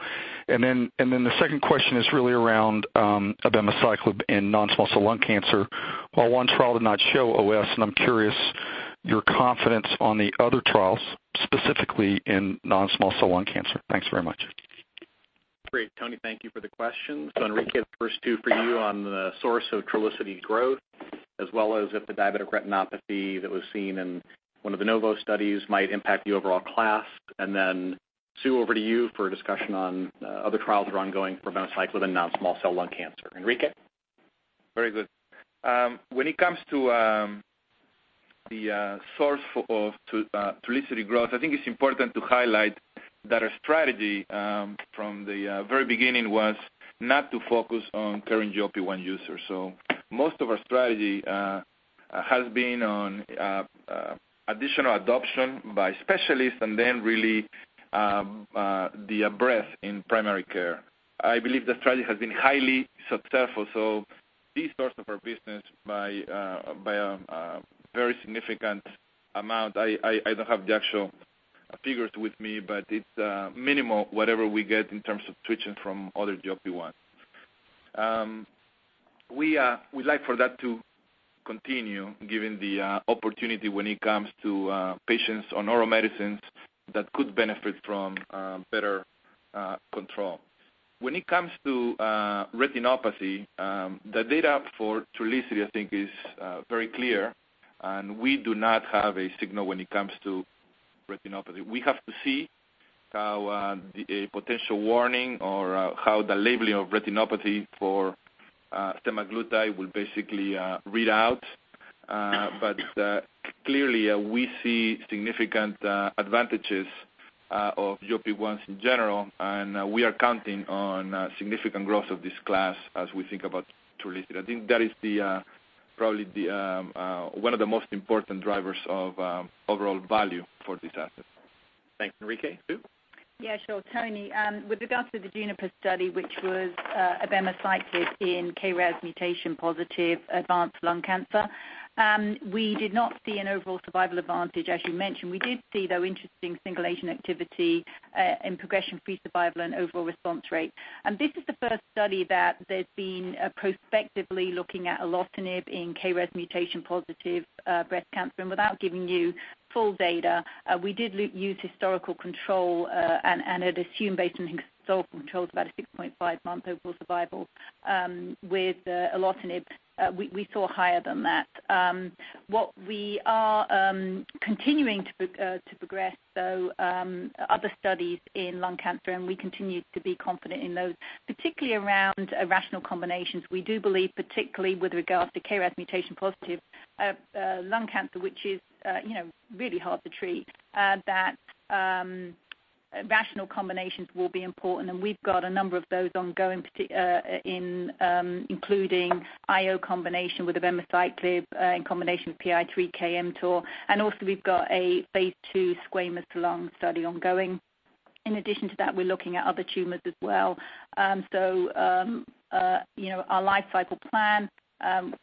The second question is really around abemaciclib in non-small cell lung cancer. While one trial did not show OS, I am curious your confidence on the other trials, specifically in non-small cell lung cancer. Thanks very much. Great, Tony. Thank you for the questions. Enrique, the first two for you on the source of Trulicity growth, as well as if the diabetic retinopathy that was seen in one of the Novo studies might impact the overall class. Sue, over to you for a discussion on other trials that are ongoing for abemaciclib in non-small cell lung cancer. Enrique? Very good. When it comes to the source of Trulicity growth, I think it's important to highlight that our strategy from the very beginning was not to focus on current GLP-1 users. Most of our strategy has been on additional adoption by specialists and then really the breadth in primary care. I believe the strategy has been highly successful. This source of our business by a very significant amount, I don't have the actual figures with me, but it's minimal, whatever we get in terms of switching from other GLP-1. We'd like for that to continue, given the opportunity when it comes to patients on oral medicines that could benefit from better control. When it comes to retinopathy, the data for Trulicity, I think, is very clear, and we do not have a signal when it comes to retinopathy. We have to see how a potential warning or how the labeling of retinopathy for semaglutide will basically read out. Clearly, we see significant advantages of GLP-1s in general, and we are counting on significant growth of this class as we think about Trulicity. I think that is probably one of the most important drivers of overall value for this asset. Thanks, Enrique. Sue? Yeah, sure. Tony, with regards to the JUNIPER study, which was abemaciclib in K-RAS mutation-positive advanced lung cancer, we did not see an overall survival advantage, as you mentioned. We did see, though, interesting single-agent activity in progression-free survival and overall response rate. This is the first study that there's been a prospectively looking at abemaciclib in K-RAS mutation-positive breast cancer. Without giving you full data, we did use historical control and an assumed based on historical control of about a 6.5-month overall survival. With abemaciclib, we saw higher than that. What we are continuing to progress, though, other studies in lung cancer, we continue to be confident in those, particularly around rational combinations. We do believe, particularly with regards to K-RAS mutation-positive lung cancer, which is really hard to treat, that rational combinations will be important. We've got a number of those ongoing, including IO combination with abemaciclib in combination with PI3K/mTOR. Also we've got a phase II squamous lung study ongoing. In addition to that, we're looking at other tumors as well. Our life cycle plan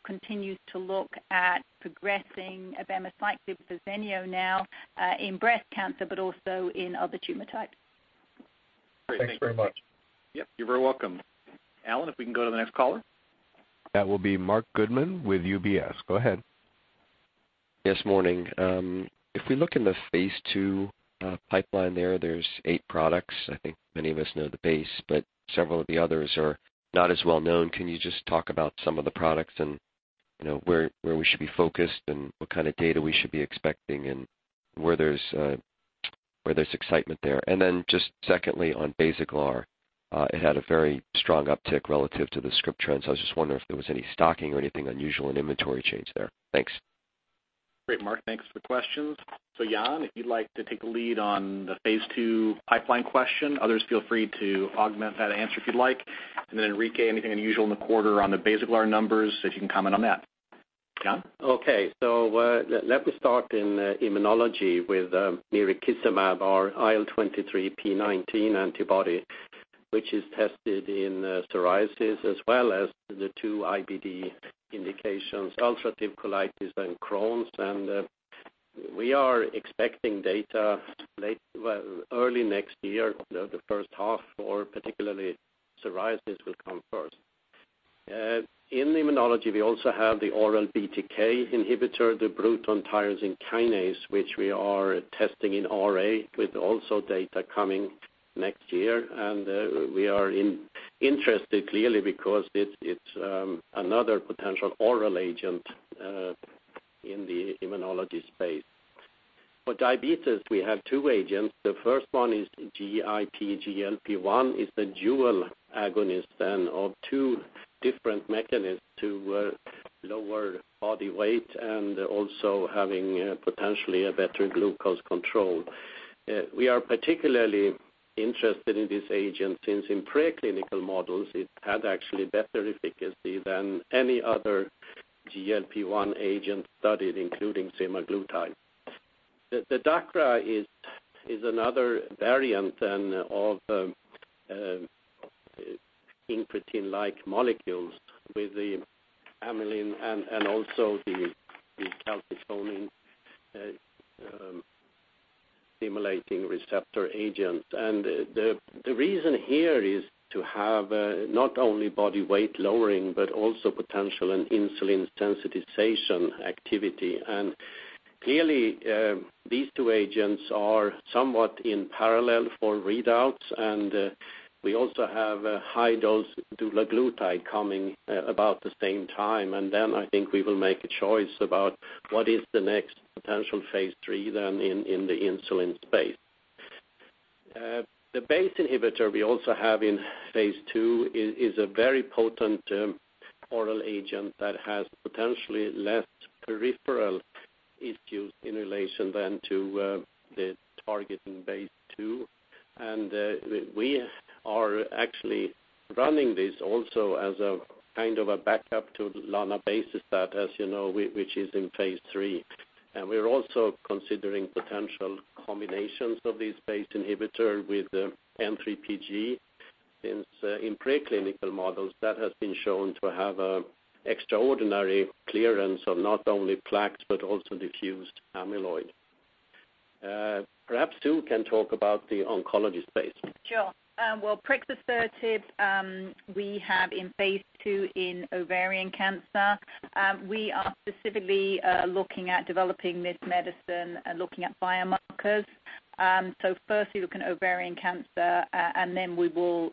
continues to look at progressing abemaciclib, Verzenio now, in breast cancer, but also in other tumor types. Thanks very much. Yep, you're very welcome. Alan, if we can go to the next caller. That will be Marc Goodman with UBS. Go ahead. Yes, morning. If we look in the phase II pipeline there's eight products. I think many of us know the base, but several of the others are not as well known. Can you just talk about some of the products and where we should be focused and what kind of data we should be expecting and where there's excitement there? Just secondly, on Basaglar, it had a very strong uptick relative to the script trends. I was just wondering if there was any stocking or anything unusual in inventory change there. Thanks. Great, Marc. Thanks for the questions. Jan, if you'd like to take the lead on the phase II pipeline question. Others, feel free to augment that answer if you'd like. Enrique, anything unusual in the quarter on the Basaglar numbers, if you can comment on that. Jan? Okay. Let me start in immunology with mirikizumab, our IL-23p19 antibody, which is tested in psoriasis as well as the 2 IBD indications, ulcerative colitis and Crohn's. We are expecting data early next year, the first half or particularly psoriasis will come first. In immunology, we also have the oral BTK inhibitor, the Bruton's tyrosine kinase, which we are testing in RA, with also data coming next year. We are interested clearly because it's another potential oral agent in the immunology space. For diabetes, we have two agents. The first one is GIP/GLP-1. It's a dual agonist of 2 different mechanisms to lower body weight and also having potentially a better glucose control. We are particularly interested in this agent since in preclinical models, it had actually better efficacy than any other GLP-1 agent studied, including semaglutide. The DACRA is another variant of Incretin-like molecules with the amylin and also the calcitonin-stimulating receptor agent. The reason here is to have not only body weight lowering, but also potential insulin sensitization activity. Clearly, these two agents are somewhat in parallel for readouts, and we also have a high dose dulaglutide coming about the same time. I think we will make a choice about what is the next potential phase III then in the insulin space. The BACE inhibitor we also have in phase II is a very potent oral agent that has potentially less peripheral issues in relation to the target in BACE2. We are actually running this also as a kind of a backup to lanabecestat, as you know, which is in phase III. We're also considering potential combinations of this BACE inhibitor with N3pG, since in preclinical models, that has been shown to have extraordinary clearance of not only plaques, but also diffused amyloid. Perhaps Sue can talk about the oncology space. Sure. Prexasertib we have in phase II in ovarian cancer. We are specifically looking at developing this medicine and looking at biomarkers. Firstly, looking at ovarian cancer. Then we will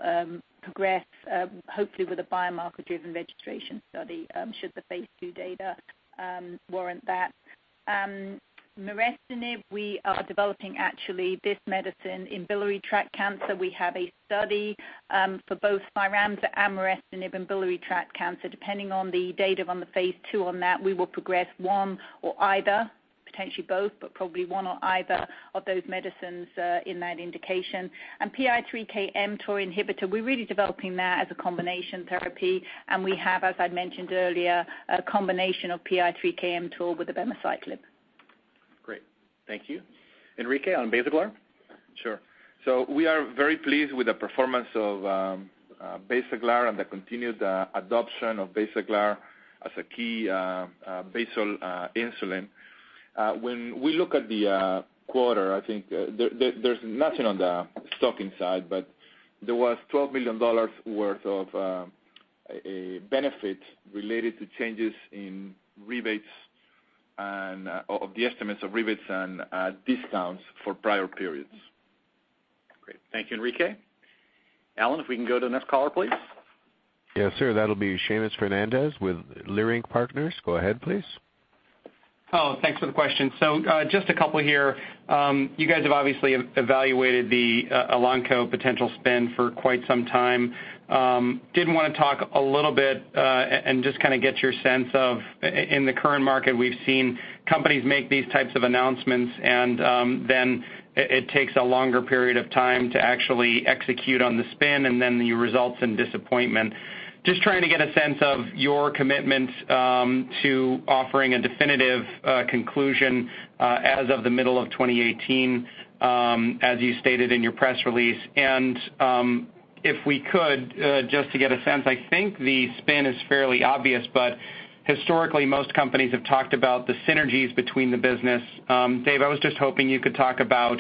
progress, hopefully with a biomarker-driven registration study, should the phase II data warrant that. Merestinib, we are developing actually this medicine in biliary tract cancer. We have a study for both Cyramza and merestinib in biliary tract cancer. Depending on the data on the phase II on that, we will progress one or either, potentially both, but probably one or either of those medicines in that indication. PI3K/mTOR inhibitor, we're really developing that as a combination therapy, and we have, as I mentioned earlier, a combination of PI3K/mTOR with abemaciclib. Great. Thank you. Enrique on Basaglar? Sure. We are very pleased with the performance of Basaglar and the continued adoption of Basaglar as a key basal insulin. When we look at the quarter, I think there's nothing on the stock inside, but there was $12 million worth of benefit related to changes in rebates and of the estimates of rebates and discounts for prior periods. Great. Thank you, Enrique. Allen, if we can go to the next caller, please. Yes, sir. That'll be Seamus Fernandez with Leerink Partners. Go ahead, please. Hello. Thanks for the question. Just a couple here. You guys have obviously evaluated the Elanco potential spin for quite some time. Did want to talk a little bit and just get your sense of, in the current market, we've seen companies make these types of announcements and then it takes a longer period of time to actually execute on the spin, and then it results in disappointment. Just trying to get a sense of your commitment to offering a definitive conclusion as of the middle of 2018, as you stated in your press release. If we could, just to get a sense, I think the spin is fairly obvious, but historically, most companies have talked about the synergies between the business. Dave, I was just hoping you could talk about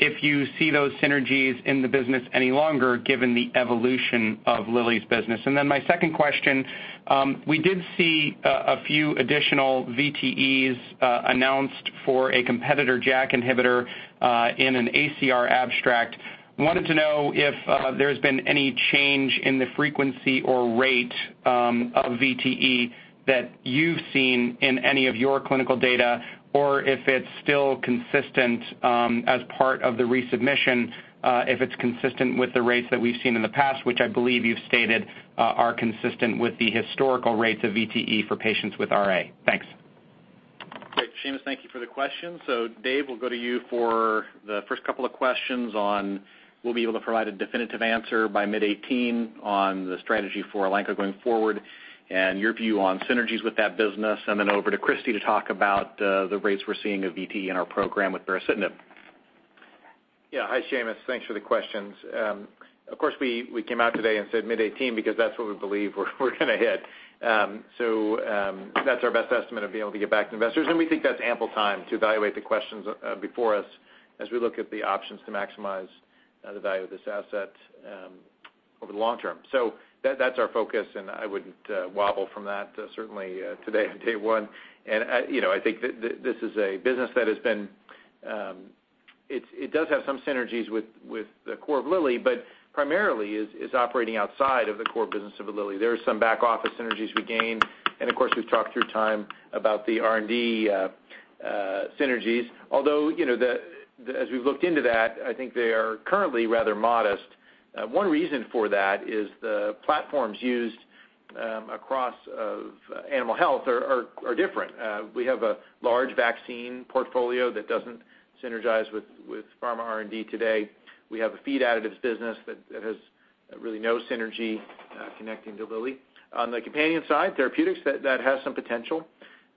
if you see those synergies in the business any longer given the evolution of Lilly's business. My second question, we did see a few additional VTEs announced for a competitor JAK inhibitor in an ACR abstract. Wanted to know if there's been any change in the frequency or rate of VTE that you've seen in any of your clinical data, or if it's still consistent as part of the resubmission, if it's consistent with the rates that we've seen in the past, which I believe you've stated are consistent with the historical rates of VTE for patients with RA. Thanks. Great. Seamus, thank you for the question. Dave, we'll go to you for the first couple of questions on will we be able to provide a definitive answer by mid 2018 on the strategy for Elanco going forward and your view on synergies with that business. Over to Christi to talk about the rates we're seeing of VTE in our program with baricitinib. Hi, Seamus. Thanks for the questions. Of course, we came out today and said mid 2018 because that's what we believe we're going to hit. That's our best estimate of being able to get back to investors, and we think that's ample time to evaluate the questions before us as we look at the options to maximize the value of this asset over the long term. That's our focus, and I wouldn't wobble from that certainly today on day one. I think that this is a business that has been It does have some synergies with the core of Lilly, but primarily is operating outside of the core business of Lilly. There is some back office synergies we gain, and of course, we've talked through time about the R&D synergies. Although, as we've looked into that, I think they are currently rather modest. One reason for that is the platforms used across animal health are different. We have a large vaccine portfolio that doesn't synergize with pharma R&D today. We have a feed additives business that has really no synergy connecting to Lilly. On the companion side, therapeutics, that has some potential.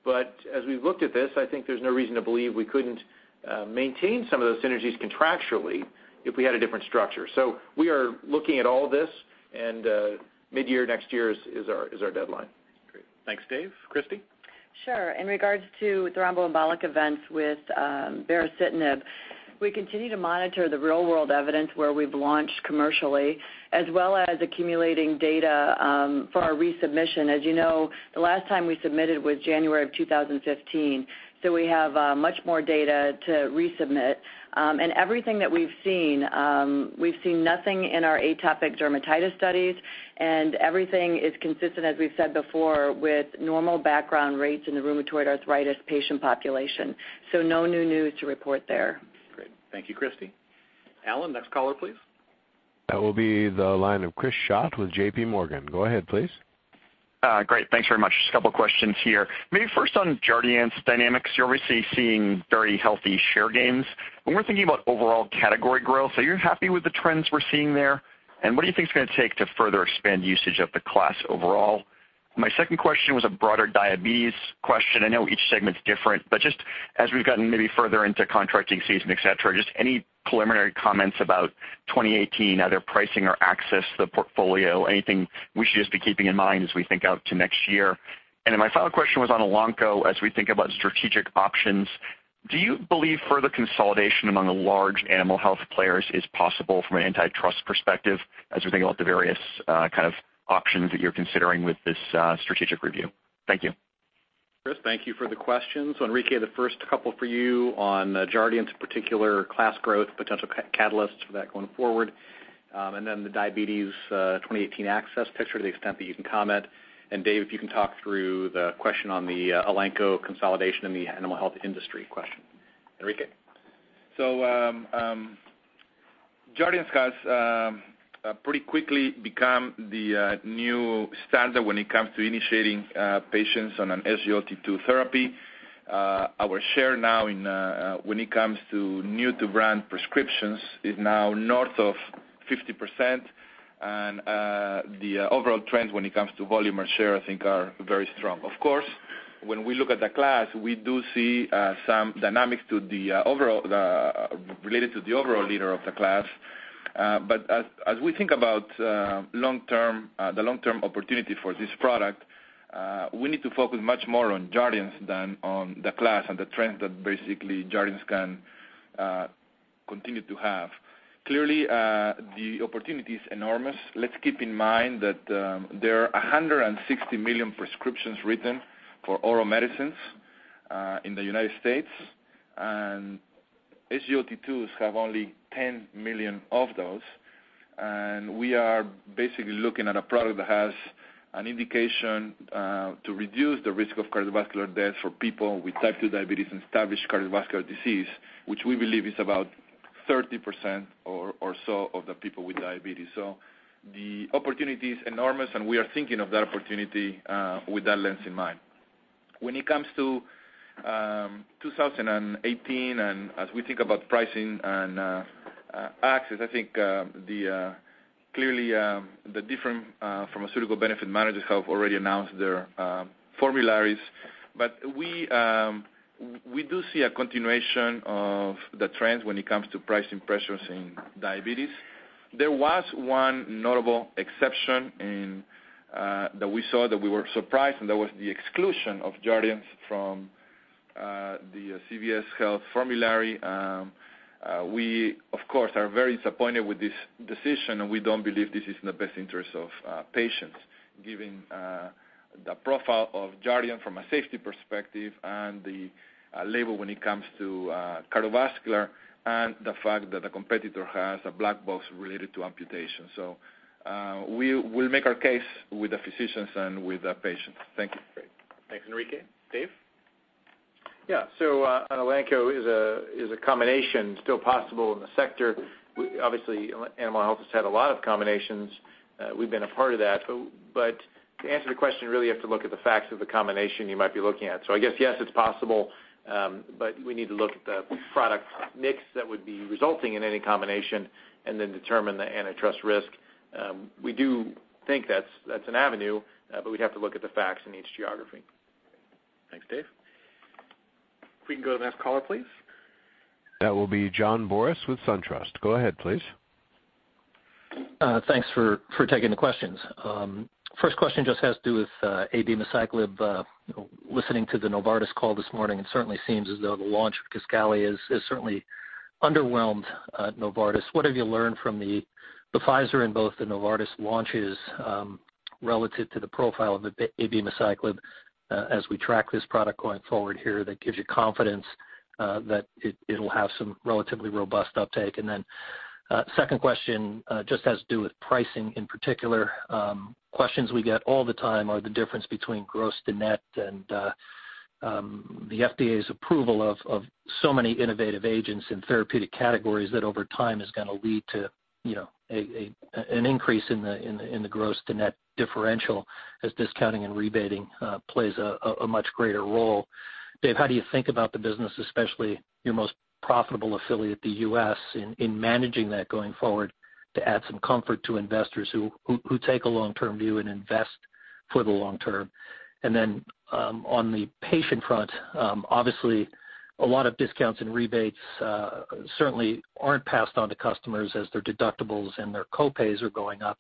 As we've looked at this, I think there's no reason to believe we couldn't maintain some of those synergies contractually if we had a different structure. We are looking at all this, and mid-year next year is our deadline. Thanks, Dave. Christi? Sure. In regards to thromboembolic events with baricitinib, we continue to monitor the real-world evidence where we've launched commercially, as well as accumulating data for our resubmission. As you know, the last time we submitted was January of 2015, we have much more data to resubmit. Everything that we've seen, we've seen nothing in our atopic dermatitis studies, and everything is consistent, as we've said before, with normal background rates in the rheumatoid arthritis patient population. No new news to report there. Great. Thank you, Christy. Alan, next caller, please. That will be the line of Chris Schott with J.P. Morgan. Go ahead, please. Great. Thanks very much. Just a couple of questions here. Maybe first on Jardiance dynamics. You're obviously seeing very healthy share gains. What do you think it's going to take to further expand usage of the class overall? My second question was a broader diabetes question. I know each segment's different, but just as we've gotten maybe further into contracting season, et cetera, just any preliminary comments about 2018, either pricing or access to the portfolio, anything we should just be keeping in mind as we think out to next year. Then my final question was on Elanco. As we think about strategic options, do you believe further consolidation among the large animal health players is possible from an antitrust perspective as we think about the various kind of options that you're considering with this strategic review? Thank you. Chris, thank you for the questions. Enrique, the first couple for you on Jardiance particular class growth, potential catalysts for that going forward, then the diabetes 2018 access picture to the extent that you can comment. Dave, if you can talk through the question on the Elanco consolidation in the animal health industry question. Enrique? Jardiance has pretty quickly become the new standard when it comes to initiating patients on an SGLT2 therapy. Our share now when it comes to new-to-brand prescriptions is now north of 50%, and the overall trend when it comes to volume or share, I think, are very strong. Of course, when we look at the class, we do see some dynamics related to the overall leader of the class. As we think about the long-term opportunity for this product, we need to focus much more on Jardiance than on the class and the trend that basically Jardiance can continue to have. Clearly, the opportunity is enormous. Let's keep in mind that there are 160 million prescriptions written for oral medicines in the U.S., and SGLT2s have only 10 million of those. We are basically looking at a product that has an indication to reduce the risk of cardiovascular death for people with type 2 diabetes and established cardiovascular disease, which we believe is about 30% or so of the people with diabetes. The opportunity is enormous, and we are thinking of that opportunity with that lens in mind. When it comes to 2018 and as we think about pricing and access, I think clearly the different pharmaceutical benefit managers have already announced their formularies. We do see a continuation of the trends when it comes to pricing pressures in diabetes. There was one notable exception that we saw that we were surprised, and that was the exclusion of Jardiance from the CVS Health formulary. We, of course, are very disappointed with this decision, and we don't believe this is in the best interest of patients, given the profile of Jardiance from a safety perspective and the label when it comes to cardiovascular and the fact that the competitor has a black box related to amputation. We'll make our case with the physicians and with the patients. Thank you. Great. Thanks, Enrique. Dave? Yeah. On Elanco, is a combination still possible in the sector? Obviously, animal health has had a lot of combinations. We've been a part of that. To answer the question, really, you have to look at the facts of the combination you might be looking at. I guess yes, it's possible, but we need to look at the product mix that would be resulting in any combination and then determine the antitrust risk. We do think that's an avenue, but we'd have to look at the facts in each geography. Thanks, Dave. If we can go to the next caller, please. That will be John Boris with SunTrust. Go ahead, please. Thanks for taking the questions. First question just has to do with abemaciclib. Listening to the Novartis call this morning, it certainly seems as though the launch of KISQALI has certainly underwhelmed Novartis. What have you learned from the Pfizer and both the Novartis launches relative to the profile of abemaciclib as we track this product going forward here that gives you confidence that it'll have some relatively robust uptake? Then second question just has to do with pricing in particular. Questions we get all the time are the difference between gross to net and the FDA's approval of so many innovative agents in therapeutic categories that over time is going to lead to an increase in the gross to net differential as discounting and rebating plays a much greater role. Dave, how do you think about the business, especially your most profitable affiliate, the U.S., in managing that going forward to add some comfort to investors who take a long-term view and invest for the long term? On the patient front, obviously a lot of discounts and rebates certainly aren't passed on to customers as their deductibles and their co-pays are going up.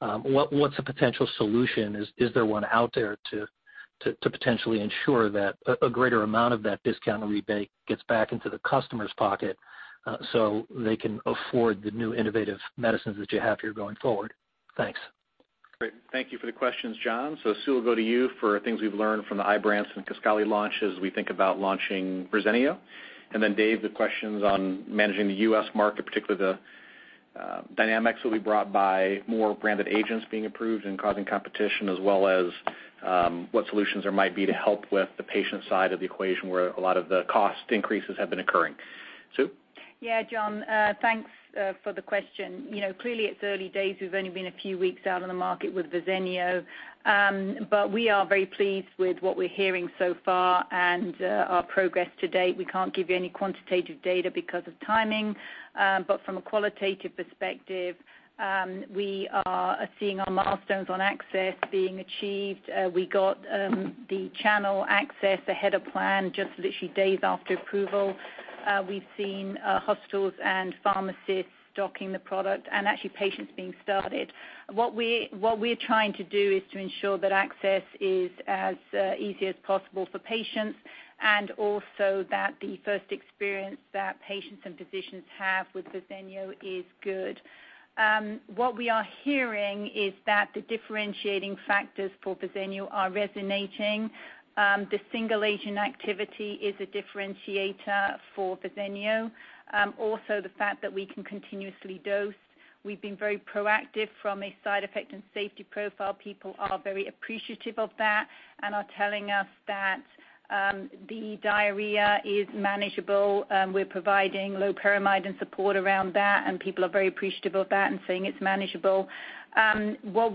What's a potential solution? Is there one out there to potentially ensure that a greater amount of that discount or rebate gets back into the customer's pocket so they can afford the new innovative medicines that you have here going forward? Thanks. Great. Thank you for the questions, John. Sue, we'll go to you for things we've learned from the IBRANCE and KISQALI launches. We think about launching Verzenio. Then Dave, the questions on managing the U.S. market, particularly the dynamics that will be brought by more branded agents being approved and causing competition, as well as what solutions there might be to help with the patient side of the equation, where a lot of the cost increases have been occurring. Sue? Yeah, John, thanks for the question. Clearly, it's early days. We've only been a few weeks out on the market with Verzenio. We are very pleased with what we're hearing so far and our progress to date. We can't give you any quantitative data because of timing. From a qualitative perspective, we are seeing our milestones on access being achieved. We got the channel access ahead of plan, just literally days after approval. We've seen hospitals and pharmacists stocking the product and actually patients being started. What we're trying to do is to ensure that access is as easy as possible for patients, and also that the first experience that patients and physicians have with Verzenio is good. What we are hearing is that the differentiating factors for Verzenio are resonating. The single-agent activity is a differentiator for Verzenio. The fact that we can continuously dose. We've been very proactive from a side effect and safety profile. People are very appreciative of that and are telling us that the diarrhea is manageable. We're providing loperamide and support around that, and people are very appreciative of that and saying it's manageable. What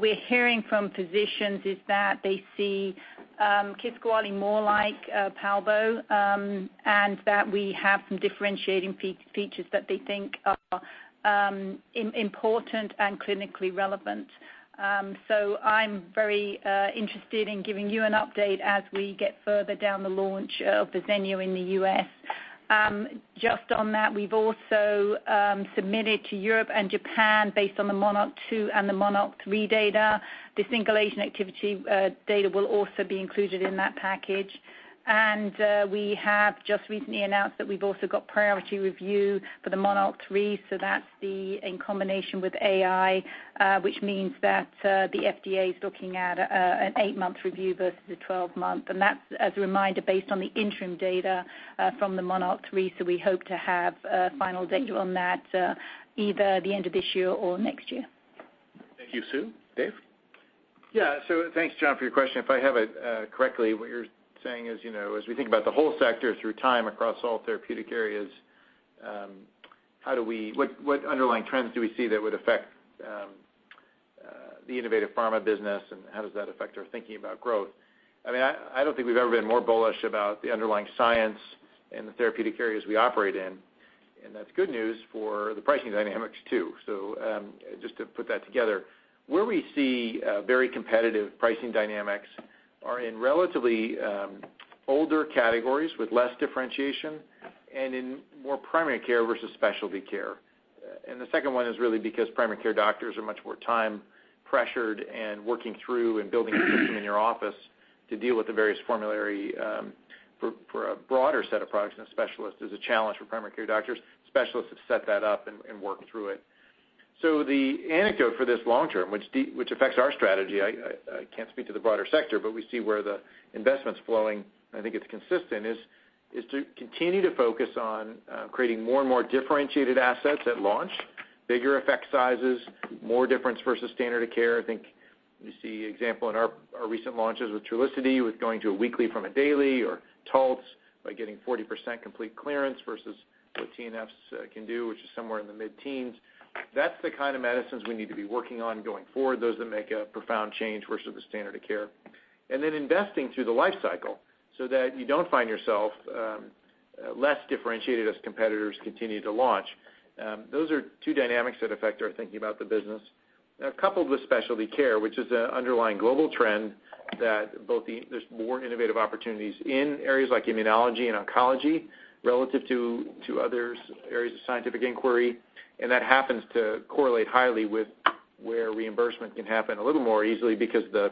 we're hearing from physicians is that they see KISQALI more like Palbo, and that we have some differentiating features that they think are important and clinically relevant. I'm very interested in giving you an update as we get further down the launch of Verzenio in the U.S. Just on that, we've also submitted to Europe and Japan based on the MONARCH 2 and the MONARCH 3 data. The single-agent activity data will also be included in that package. We have just recently announced that we've also got priority review for the MONARCH 3, so that's the in combination with AI, which means that the FDA is looking at an 8-month review versus a 12-month. That's, as a reminder, based on the interim data from the MONARCH 3, so we hope to have final data on that either the end of this year or next year. Thank you, Sue. Dave? Thanks, John, for your question. If I have it correctly, what you're saying is, as we think about the whole sector through time across all therapeutic areas, what underlying trends do we see that would affect the innovative pharma business and how does that affect our thinking about growth? I don't think we've ever been more bullish about the underlying science and the therapeutic areas we operate in, and that's good news for the pricing dynamics, too. Just to put that together, where we see very competitive pricing dynamics are in relatively older categories with less differentiation and in more primary care versus specialty care. The second one is really because primary care doctors are much more time-pressured and working through and building a system in your office to deal with the various formulary for a broader set of products than a specialist is a challenge for primary care doctors. Specialists have set that up and worked through it. The anecdote for this long term, which affects our strategy, I can't speak to the broader sector, but we see where the investment's flowing, and I think it's consistent, is to continue to focus on creating more and more differentiated assets at launch, bigger effect sizes, more difference versus standard of care. I think you see example in our recent launches with Trulicity, with going to a weekly from a daily or Taltz by getting 40% complete clearance versus what TNFs can do, which is somewhere in the mid-teens. That's the kind of medicines we need to be working on going forward, those that make a profound change versus the standard of care. Then investing through the life cycle so that you don't find yourself less differentiated as competitors continue to launch. Those are two dynamics that affect our thinking about the business. Coupled with specialty care, which is an underlying global trend, that there's more innovative opportunities in areas like immunology and oncology relative to other areas of scientific inquiry. That happens to correlate highly with where reimbursement can happen a little more easily because the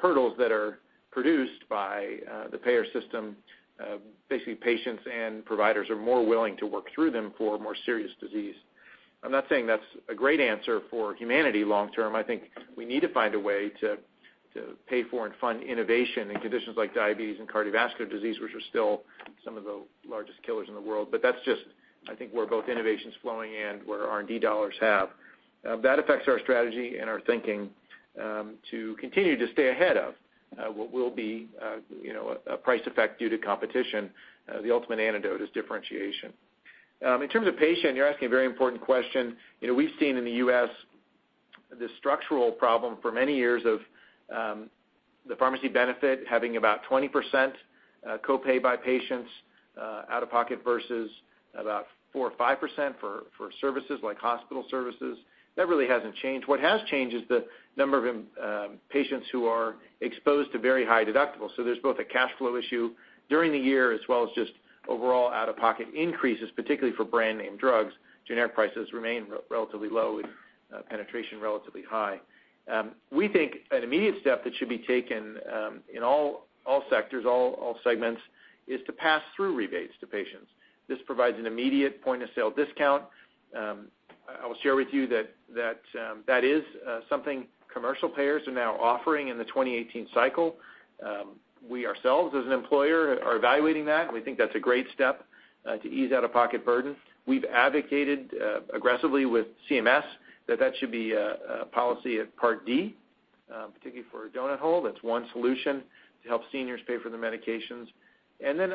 hurdles that are produced by the payer system, basically patients and providers are more willing to work through them for a more serious disease. I'm not saying that's a great answer for humanity long term. I think we need to find a way to pay for and fund innovation in conditions like diabetes and cardiovascular disease, which are still some of the largest killers in the world. That's just, I think, where both innovation's flowing and where R&D dollars have. That affects our strategy and our thinking to continue to stay ahead of what will be a price effect due to competition. The ultimate antidote is differentiation. In terms of patient, you're asking a very important question. We've seen in the U.S. this structural problem for many years of the pharmacy benefit having about 20% co-pay by patients out-of-pocket versus about 4% or 5% for services like hospital services. That really hasn't changed. What has changed is the number of patients who are exposed to very high deductibles. There's both a cash flow issue during the year as well as just overall out-of-pocket increases, particularly for brand name drugs. Generic prices remain relatively low, with penetration relatively high. We think an immediate step that should be taken in all sectors, all segments, is to pass through rebates to patients. This provides an immediate point-of-sale discount. I will share with you that that is something commercial payers are now offering in the 2018 cycle. We ourselves, as an employer, are evaluating that. We think that's a great step to ease out-of-pocket burden. We've advocated aggressively with CMS that that should be a policy at Part D, particularly for a donut hole. That's one solution to help seniors pay for their medications.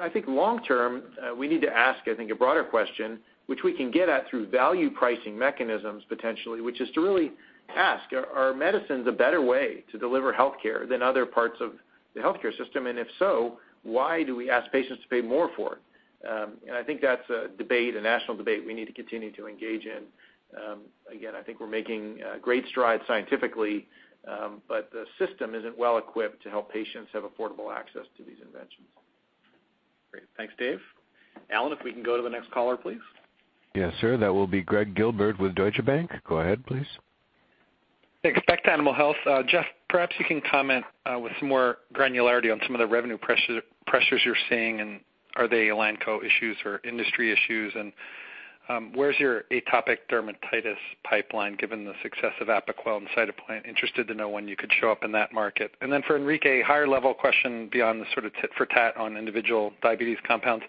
I think long term, we need to ask, I think a broader question, which we can get at through value pricing mechanisms, potentially, which is to really ask, are medicines a better way to deliver healthcare than other parts of the healthcare system? If so, why do we ask patients to pay more for it? I think that's a national debate we need to continue to engage in. Again, I think we're making great strides scientifically, but the system isn't well-equipped to help patients have affordable access to these inventions. Great. Thanks, Dave. Allen, if we can go to the next caller, please. Yes, sir. That will be Gregg Gilbert with Deutsche Bank. Go ahead, please. Thanks. Back to Animal Health. Jeff, perhaps you can comment with some more granularity on some of the revenue pressures you're seeing, and are they Elanco issues or industry issues? Where's your atopic dermatitis pipeline, given the success of Apoquel and Cytopoint? Interested to know when you could show up in that market. For Enrique, a higher-level question beyond the sort of tit for tat on individual diabetes compounds.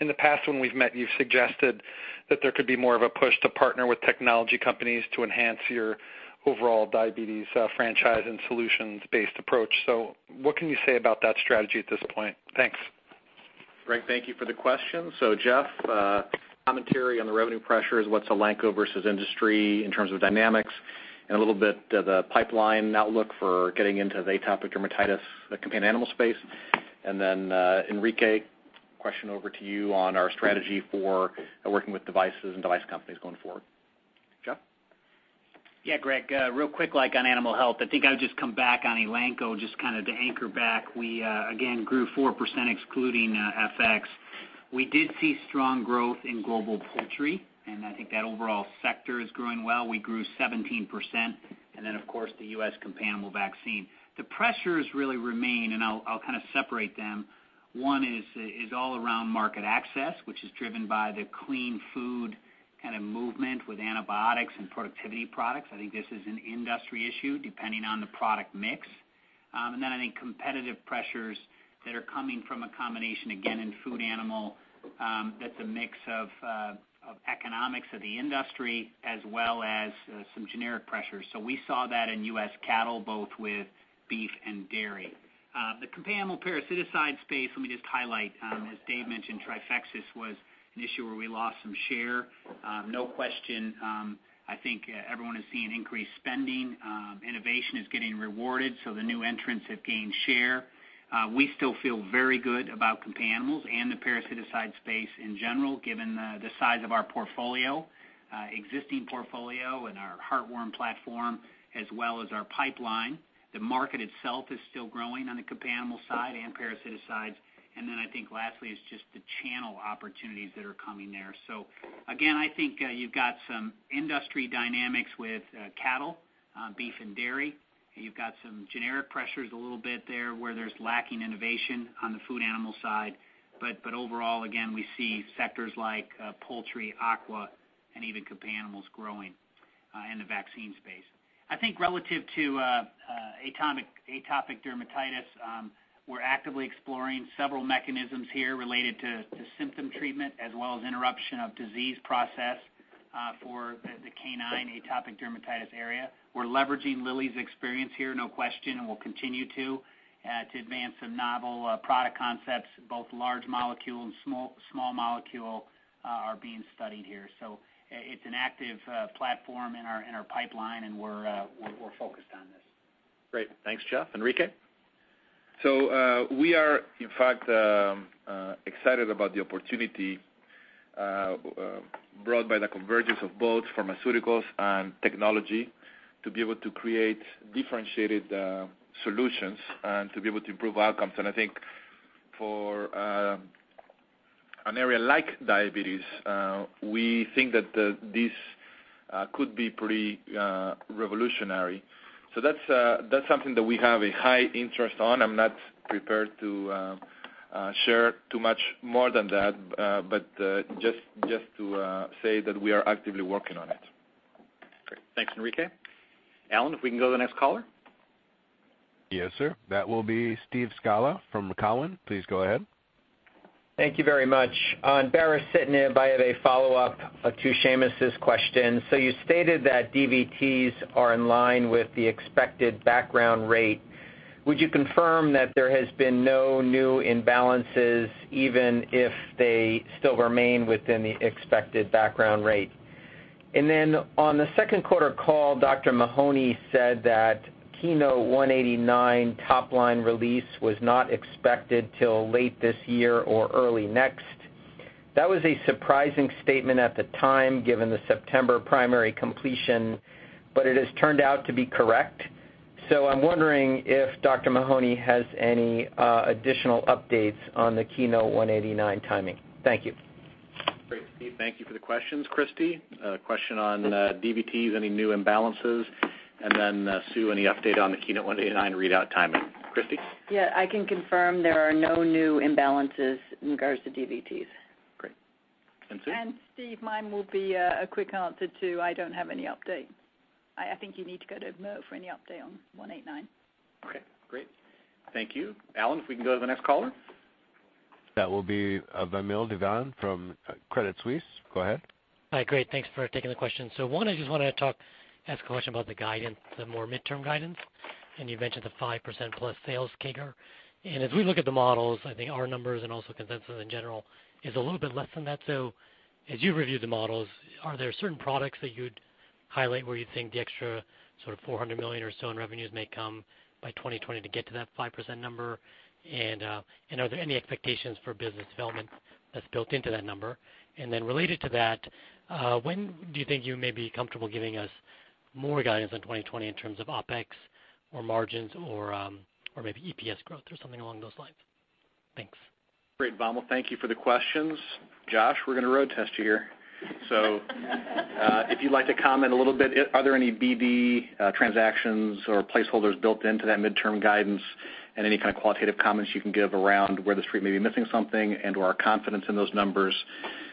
In the past when we've met, you've suggested that there could be more of a push to partner with technology companies to enhance your overall diabetes franchise and solutions-based approach. What can you say about that strategy at this point? Thanks. Gregg, thank you for the question. Jeff, commentary on the revenue pressures, what's Elanco versus industry in terms of dynamics, and a little bit the pipeline outlook for getting into the atopic dermatitis companion animal space. Enrique, question over to you on our strategy for working with devices and device companies going forward. Jeff? Gregg, real quick like on Animal Health, I think I would just come back on Elanco just to anchor back. We again grew 4% excluding FX. We did see strong growth in global poultry, and I think that overall sector is growing well. We grew 17%. Of course, the U.S. companion animal vaccine. The pressures really remain, and I'll kind of separate them. One is all around market access, which is driven by the clean food kind of movement with antibiotics and productivity products. I think this is an industry issue, depending on the product mix. I think competitive pressures that are coming from a combination, again, in food animal, that's a mix of economics of the industry as well as some generic pressures. We saw that in U.S. cattle, both with beef and dairy. The companion animal parasiticides space, let me just highlight, as Dave mentioned, Trifexis was an issue where we lost some share. No question, I think everyone is seeing increased spending. Innovation is getting rewarded, the new entrants have gained share. We still feel very good about companion animals and the parasiticides space in general, given the size of our existing portfolio and our heartworm platform, as well as our pipeline. The market itself is still growing on the companion animal side and parasiticides. I think lastly is just the channel opportunities that are coming there. Again, I think you've got some industry dynamics with cattle, beef, and dairy. You've got some generic pressures a little bit there where there's lacking innovation on the food animal side. Overall, again, we see sectors like poultry, aqua, and even companion animals growing in the vaccine space. I think relative to atopic dermatitis, we're actively exploring several mechanisms here related to symptom treatment as well as interruption of disease process for the canine atopic dermatitis area. We're leveraging Lilly's experience here, no question, and we'll continue to advance some novel product concepts, both large molecule and small molecule are being studied here. It's an active platform in our pipeline, and we're focused on this. Great. Thanks, Jeff. Enrique? We are, in fact, excited about the opportunity brought by the convergence of both pharmaceuticals and technology to be able to create differentiated solutions and to be able to improve outcomes. I think for an area like diabetes, we think that this could be pretty revolutionary. That's something that we have a high interest on. I'm not prepared to share too much more than that, but just to say that we are actively working on it. Great. Thanks, Enrique. Allen, if we can go to the next caller. Yes, sir. That will be Steve Scala from Cowen. Please go ahead. Thank you very much. On baricitinib, I have a follow-up to Seamus's question. You stated that DVTs are in line with the expected background rate. Would you confirm that there has been no new imbalances, even if they still remain within the expected background rate? On the second quarter call, Dr. Mahony said that KEYNOTE-189 top-line release was not expected till late this year or early next. That was a surprising statement at the time, given the September primary completion, but it has turned out to be correct. I'm wondering if Dr. Mahony has any additional updates on the KEYNOTE-189 timing. Thank you. Great, Steve. Thank you for the questions. Christi, a question on DVTs, any new imbalances? Sue, any update on the KEYNOTE-189 readout timing? Christi? Yeah, I can confirm there are no new imbalances in regards to DVTs. Great. Sue? Steve, mine will be a quick answer, too. I don't have any update. I think you need to go to Mo for any update on 189. Okay, great. Thank you. Alan, if we can go to the next caller. That will be Vamil Divan from Credit Suisse. Go ahead. Hi. Great. Thanks for taking the question. One, I just wanted to ask a question about the guidance, the more midterm guidance, and you mentioned the 5%+ sales CAGR. As we look at the models, I think our numbers and also consensus in general is a little bit less than that. As you review the models, are there certain products that you'd highlight where you think the extra sort of $400 million or so in revenues may come by 2020 to get to that 5% number? Are there any expectations for business development that's built into that number? Related to that, when do you think you may be comfortable giving us more guidance on 2020 in terms of OpEx or margins or maybe EPS growth or something along those lines? Thanks. Great, Vamil. Thank you for the questions. Josh, we're going to road test you here. If you'd like to comment a little bit, are there any BD transactions or placeholders built into that midterm guidance and any kind of qualitative comments you can give around where the street may be missing something and/or our confidence in those numbers?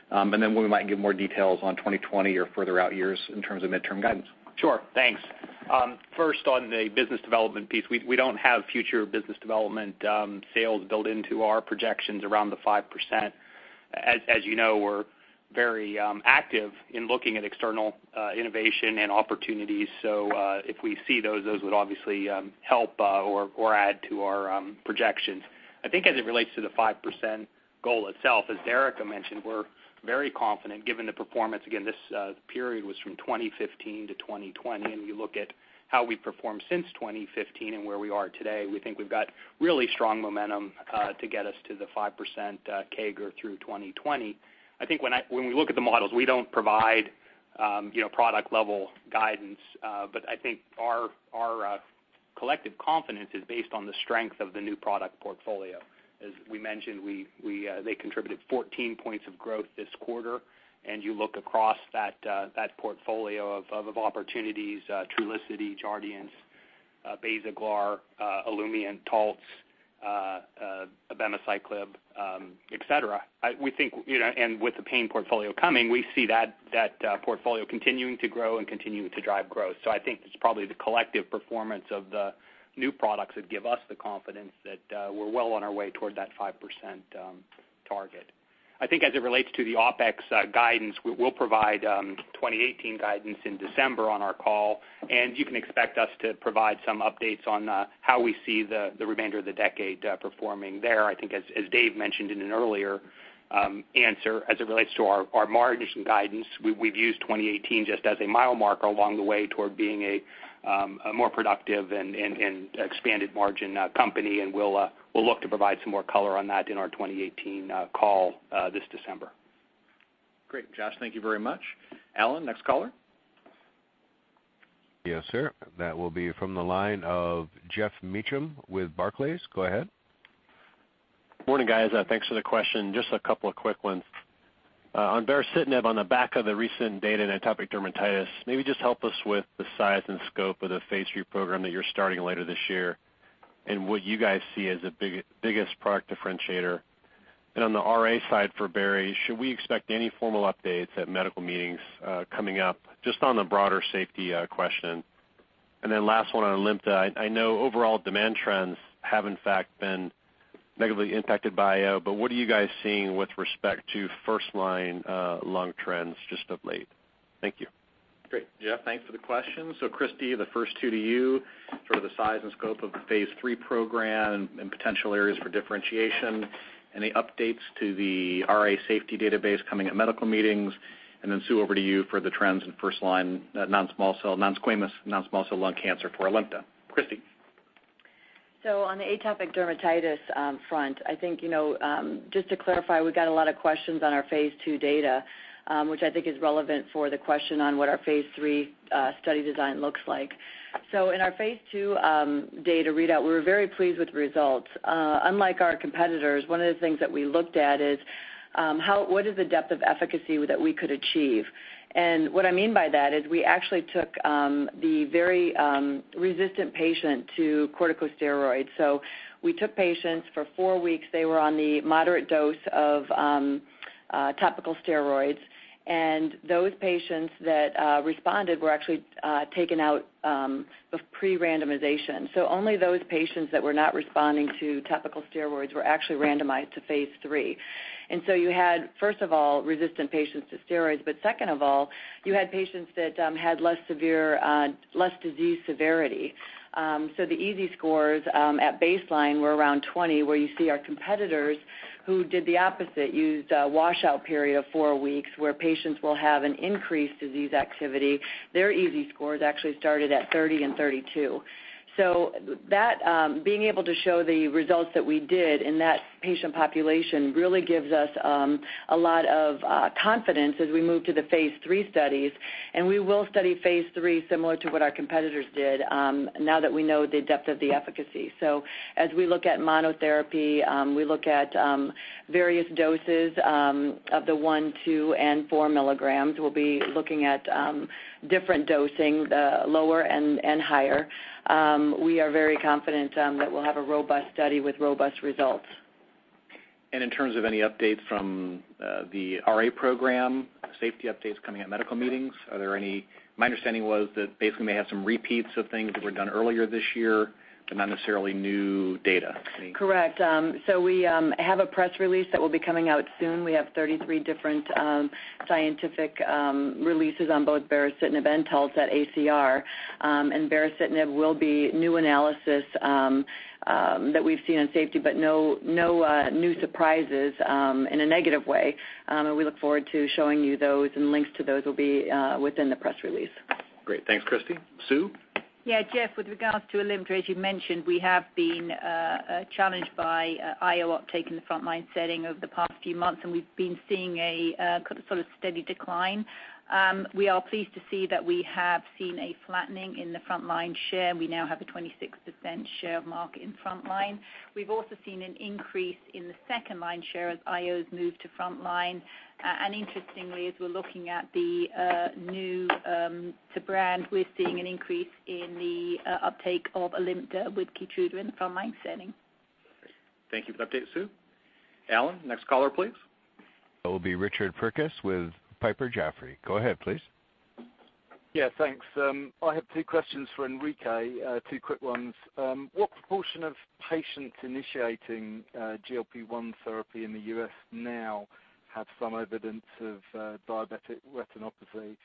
When we might give more details on 2020 or further out years in terms of midterm guidance. Sure. Thanks. First, on the business development piece, we don't have future business development sales built into our projections around the 5%. As you know, we're very active in looking at external innovation and opportunities. If we see those would obviously help or add to our projections. I think as it relates to the 5% goal itself, as Derica mentioned, we're very confident given the performance. Again, this period was from 2015 to 2020, and you look at how we've performed since 2015 and where we are today, we think we've got really strong momentum to get us to the 5% CAGR through 2020. I think when we look at the models, we don't provide product level guidance. I think our collective confidence is based on the strength of the new product portfolio. As we mentioned, they contributed 14 points of growth this quarter. You look across that portfolio of opportunities, Trulicity, Jardiance, Basaglar, Alimta, Taltz, abemaciclib, et cetera. With the pain portfolio coming, we see that portfolio continuing to grow and continuing to drive growth. I think it's probably the collective performance of the new products that give us the confidence that we're well on our way toward that 5% target. I think as it relates to the OpEx guidance, we'll provide 2018 guidance in December on our call, and you can expect us to provide some updates on how we see the remainder of the decade performing there. I think as Dave mentioned in an earlier answer, as it relates to our margin guidance, we've used 2018 just as a mile marker along the way toward being a more productive and expanded margin company. We'll look to provide some more color on that in our 2018 call this December. Great, Josh. Thank you very much. Alan, next caller. Yes, sir. That will be from the line of Geoff Meacham with Barclays. Go ahead. Morning, guys. Thanks for the question. Just a couple of quick ones. On baricitinib, on the back of the recent data in atopic dermatitis, maybe just help us with the size and scope of the phase III program that you're starting later this year and what you guys see as the biggest product differentiator. On the RA side for Bari, should we expect any formal updates at medical meetings coming up just on the broader safety question? Last one on Alimta. I know overall demand trends have in fact been negatively impacted by IO, but what are you guys seeing with respect to first-line lung trends just of late? Thank you. Great, Geoff, thanks for the question. Christi, the first two to you, sort of the size and scope of the phase III program and potential areas for differentiation. Any updates to the RA safety database coming at medical meetings? Sue, over to you for the trends in first-line non-squamous non-small cell lung cancer for Alimta. Christi? On the atopic dermatitis front, I think just to clarify, we got a lot of questions on our phase II data, which I think is relevant for the question on what our phase III study design looks like. In our phase II data readout, we were very pleased with the results. Unlike our competitors, one of the things that we looked at is what is the depth of efficacy that we could achieve? What I mean by that is we actually took the very resistant patient to corticosteroids. We took patients for four weeks. They were on the moderate dose of topical steroids. Those patients that responded were actually taken out of pre-randomization. Only those patients that were not responding to topical steroids were actually randomized to phase III. You had, first of all, resistant patients to steroids, but second of all, you had patients that had less disease severity. The EASI scores at baseline were around 20, where you see our competitors who did the opposite, used a washout period of four weeks where patients will have an increased disease activity. Their EASI scores actually started at 30 and 32. Being able to show the results that we did in that patient population really gives us a lot of confidence as we move to the phase III studies, and we will study phase III similar to what our competitors did now that we know the depth of the efficacy. As we look at monotherapy, we look at various doses of the 1, 2, and 4 milligrams. We'll be looking at different dosing, the lower and higher. We are very confident that we'll have a robust study with robust results. In terms of any updates from the RA program, safety updates coming at medical meetings, are there any? My understanding was that basically may have some repeats of things that were done earlier this year, but not necessarily new data. Correct. We have a press release that will be coming out soon. We have 33 different scientific releases on both baricitinib and Taltz, baricitinib will be new analysis that we've seen on safety, no new surprises in a negative way. We look forward to showing you those, and links to those will be within the press release. Great. Thanks, Christi. Sue? Yeah, Jeff, with regards to Alimta, as you mentioned, we have been challenged by IO uptake in the frontline setting over the past few months, we've been seeing a sort of steady decline. We are pleased to see that we have seen a flattening in the frontline share, and we now have a 26% share of market in frontline. We've also seen an increase in the second line share as IOs move to frontline. Interestingly, as we're looking at the new to brand, we're seeing an increase in the uptake of Alimta with KEYTRUDA in the frontline setting. Thank you for the update, Sue. Alan, next caller, please. That will be Richard Purkiss with Piper Jaffray. Go ahead, please. Yeah, thanks. I have two questions for Enrique, two quick ones. What proportion of patients initiating GLP-1 therapy in the U.S. now have some evidence of diabetic retinopathy?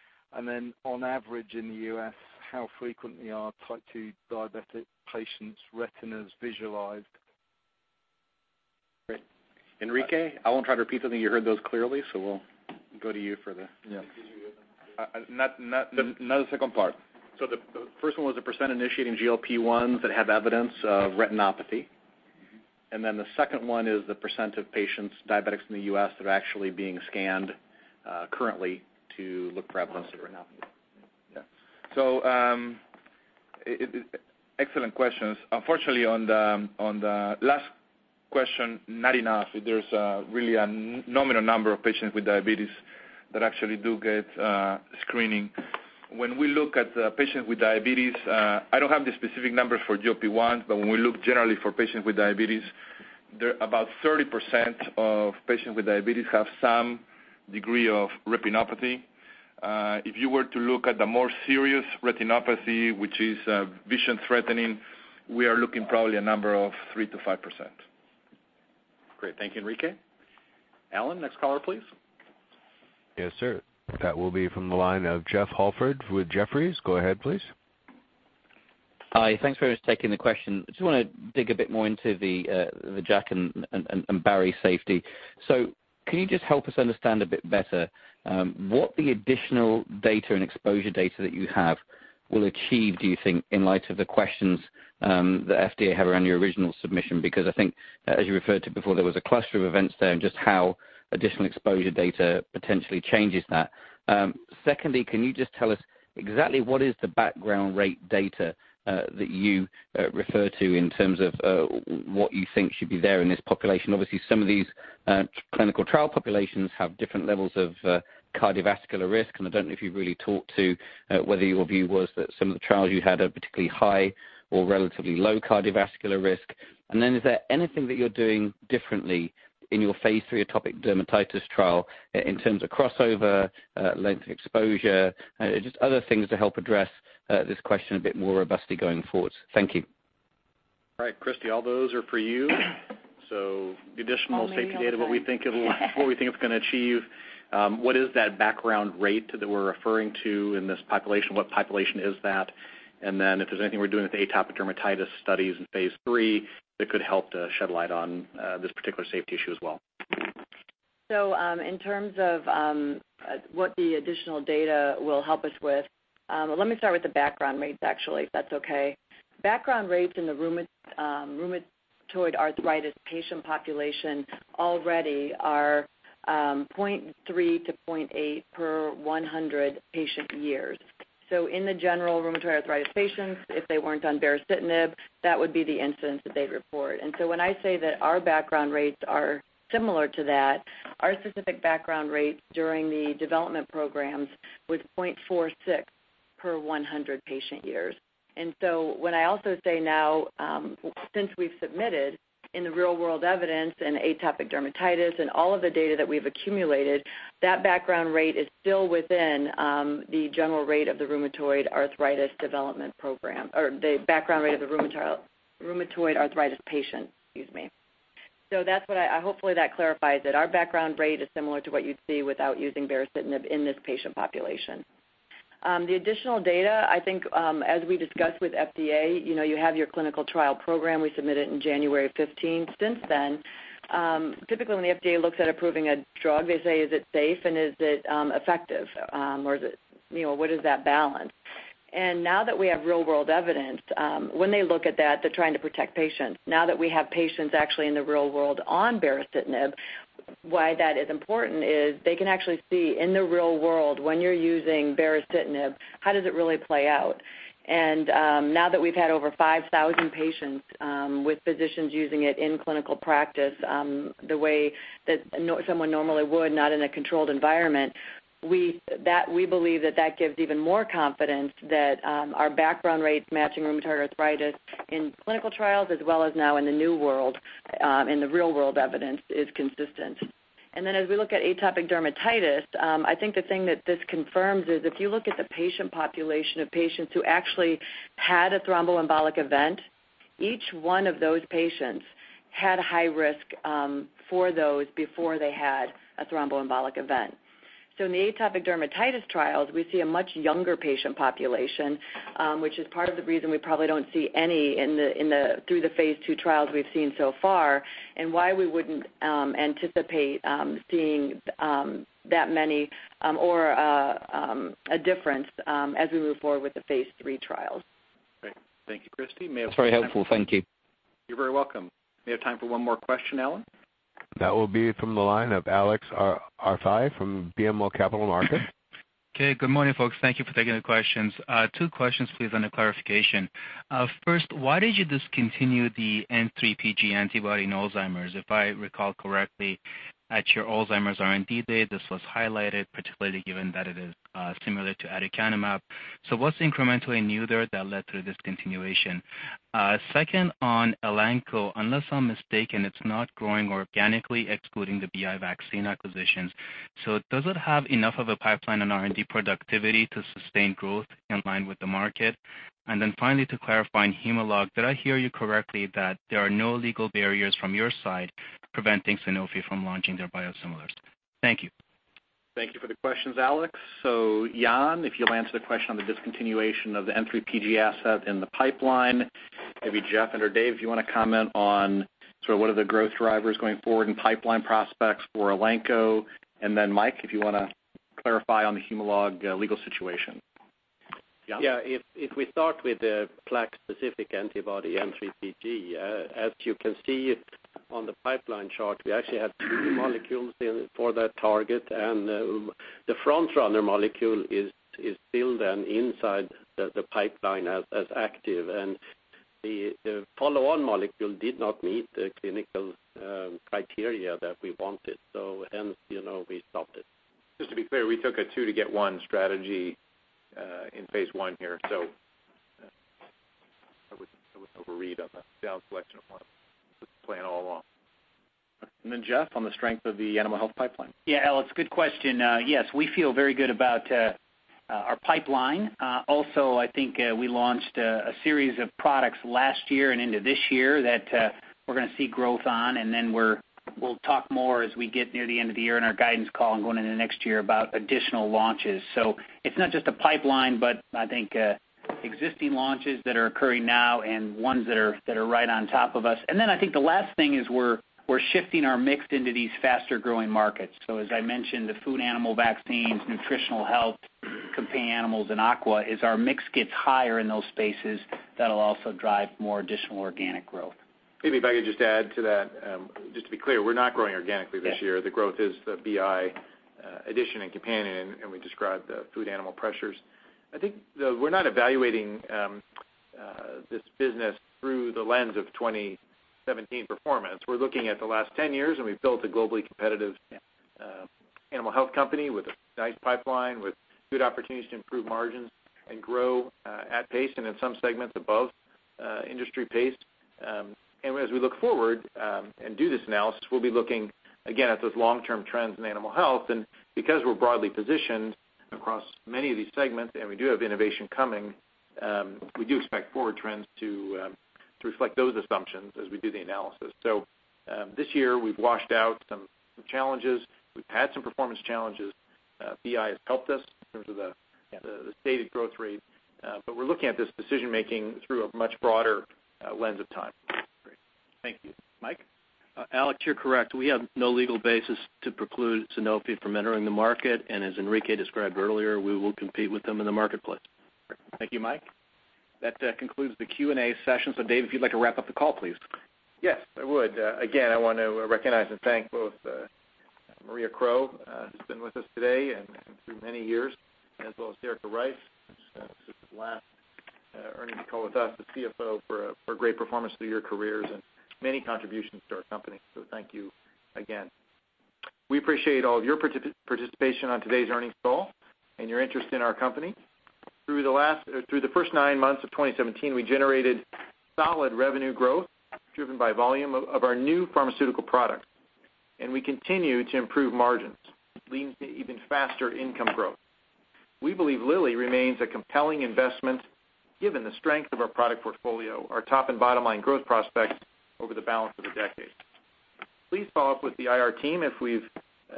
On average in the U.S., how frequently are type 2 diabetic patients' retinas visualized? Great. Enrique, I won't try to repeat something. You heard those clearly, so we'll go to you for the Yeah. Did you hear them? Not the second part. The first one was the % initiating GLP-1s that have evidence of retinopathy. The second one is the % of patients, diabetics in the U.S., that are actually being scanned currently to look for evidence of retinopathy. Yeah. Excellent questions. Unfortunately, on the last question, not enough. There's really a nominal number of patients with diabetes that actually do get screening. When we look at patients with diabetes, I don't have the specific numbers for GLP-1, but when we look generally for patients with diabetes, about 30% of patients with diabetes have some degree of retinopathy. If you were to look at the more serious retinopathy, which is vision threatening, we are looking probably a number of 3%-5%. Great. Thank you, Enrique. Alan, next caller, please. Yes, sir. That will be from the line of Jeff Holford with Jefferies. Go ahead, please. Hi. Thanks very much for taking the question. I just want to dig a bit more into the JAK and bari safety. Can you just help us understand a bit better what the additional data and exposure data that you have will achieve, do you think, in light of the questions that FDA had around your original submission? I think as you referred to before, there was a cluster of events there and just how additional exposure data potentially changes that. Secondly, can you just tell us exactly what is the background rate data that you refer to in terms of what you think should be there in this population? Obviously, some of these clinical trial populations have different levels of cardiovascular risk, and I don't know if you've really talked to whether your view was that some of the trials you had are particularly high or relatively low cardiovascular risk. Is there anything that you're doing differently in your phase III atopic dermatitis trial in terms of crossover, length of exposure, just other things to help address this question a bit more robustly going forward? Thank you. All right, Christi, all those are for you. All me all the time. The additional safety data, what we think it's going to achieve, what is that background rate that we're referring to in this population? What population is that? If there's anything we're doing with atopic dermatitis studies in phase III that could help to shed light on this particular safety issue as well. In terms of what the additional data will help us with, let me start with the background rates, actually, if that's okay. Background rates in the rheumatoid arthritis patient population already are 0.3 to 0.8 per 100 patient years. In the general rheumatoid arthritis patients, if they weren't on baricitinib, that would be the incidence that they'd report. When I say that our background rates are similar to that, our specific background rates during the development programs was 0.46 per 100 patient years. What I also say now, since we've submitted in the real-world evidence in atopic dermatitis and all of the data that we've accumulated, that background rate is still within the general rate of the rheumatoid arthritis development program, or the background rate of the rheumatoid arthritis patient. Excuse me. Hopefully that clarifies it. Our background rate is similar to what you'd see without using baricitinib in this patient population. The additional data, I think, as we discussed with FDA, you have your clinical trial program. We submitted in January 15. Since then, typically when the FDA looks at approving a drug, they say, "Is it safe and is it effective?" Or, "What is that balance?" Now that we have real-world evidence, when they look at that, they're trying to protect patients. Now that we have patients actually in the real world on baricitinib, why that is important is they can actually see in the real world, when you're using baricitinib, how does it really play out? Now that we've had over 5,000 patients with physicians using it in clinical practice the way that someone normally would, not in a controlled environment, we believe that that gives even more confidence that our background rates matching rheumatoid arthritis in clinical trials, as well as now in the new world, and the real-world evidence is consistent. As we look at atopic dermatitis, I think the thing that this confirms is if you look at the patient population of patients who actually had a thromboembolic event, each one of those patients had a high risk for those before they had a thromboembolic event. In the atopic dermatitis trials, we see a much younger patient population, which is part of the reason we probably don't see any through the phase II trials we've seen so far, and why we wouldn't anticipate seeing that many or a difference as we move forward with the phase III trials. Great. Thank you, Christi. That's very helpful. Thank you. You're very welcome. We have time for one more question, Alan. That will be from the line of Alex Arfaei from BMO Capital Markets. Okay. Good morning, folks. Thank you for taking the questions. Two questions, please, and a clarification. First, why did you discontinue the N3pG antibody in Alzheimer's? If I recall correctly, at your Alzheimer's R&D day, this was highlighted, particularly given that it is similar to aducanumab. What's incrementally new there that led to the discontinuation? Second, on Elanco, unless I'm mistaken, it's not growing organically excluding the BI Vaccine acquisitions. Does it have enough of a pipeline in R&D productivity to sustain growth in line with the market? Finally, to clarify on Humalog, did I hear you correctly that there are no legal barriers from your side preventing Sanofi from launching their biosimilars? Thank you. Thank you for the questions, Alex. Jan, if you'll answer the question on the discontinuation of the N3pG asset in the pipeline. Maybe Jeff and/or Dave, if you want to comment on sort of what are the growth drivers going forward and pipeline prospects for Elanco. Mike, if you want to clarify on the Humalog legal situation. Jan? If we start with the plaque-specific antibody, N3pG, as you can see on the pipeline chart, we actually have two molecules for that target. The front-runner molecule is still then inside the pipeline as active. The follow-on molecule did not meet the clinical criteria that we wanted, hence, we stopped it. Just to be clear, we took a two to get one strategy in phase I here. I wouldn't overread on the down selection of one. That was the plan all along. Then Jeff, on the strength of the animal health pipeline. Alex, good question. Yes, we feel very good about our pipeline. Also, I think we launched a series of products last year and into this year that we're going to see growth on. Then we'll talk more as we get near the end of the year in our guidance call and going into the next year about additional launches. It's not just a pipeline, but I think existing launches that are occurring now and ones that are right on top of us. Then I think the last thing is we're shifting our mix into these faster-growing markets. As I mentioned, the food animal vaccines, nutritional health, companion animals, and aqua, as our mix gets higher in those spaces, that'll also drive more additional organic growth. Maybe if I could just add to that, just to be clear, we're not growing organically this year. Yes. The growth is the BI addition and companion, and we described the food animal pressures. I think we're not evaluating this business through the lens of 2017 performance. We're looking at the last 10 years, and we've built a globally competitive animal health company with a nice pipeline, with good opportunities to improve margins and grow at pace and in some segments above industry pace. As we look forward and do this analysis, we'll be looking again at those long-term trends in animal health. Because we're broadly positioned across many of these segments and we do have innovation coming, we do expect forward trends to reflect those assumptions as we do the analysis. This year, we've washed out some challenges. We've had some performance challenges. BI has helped us in terms of the stated growth rate. We're looking at this decision-making through a much broader lens of time. Great. Thank you. Mike? Alex, you're correct. We have no legal basis to preclude Sanofi from entering the market, and as Enrique described earlier, we will compete with them in the marketplace. Great. Thank you, Mike. That concludes the Q&A session. Dave, if you'd like to wrap up the call, please. Yes, I would. Again, I want to recognize and thank both Maria Crowe, who's been with us today and through many years, as well as Derica Rice, who's assisted last earnings call with us as CFO for a great performance through your careers and many contributions to our company. Thank you again. We appreciate all of your participation on today's earnings call and your interest in our company. Through the first nine months of 2017, we generated solid revenue growth driven by volume of our new pharmaceutical products, and we continue to improve margins, leading to even faster income growth. We believe Lilly remains a compelling investment given the strength of our product portfolio, our top and bottom line growth prospects over the balance of the decade. Please follow up with the IR team if we've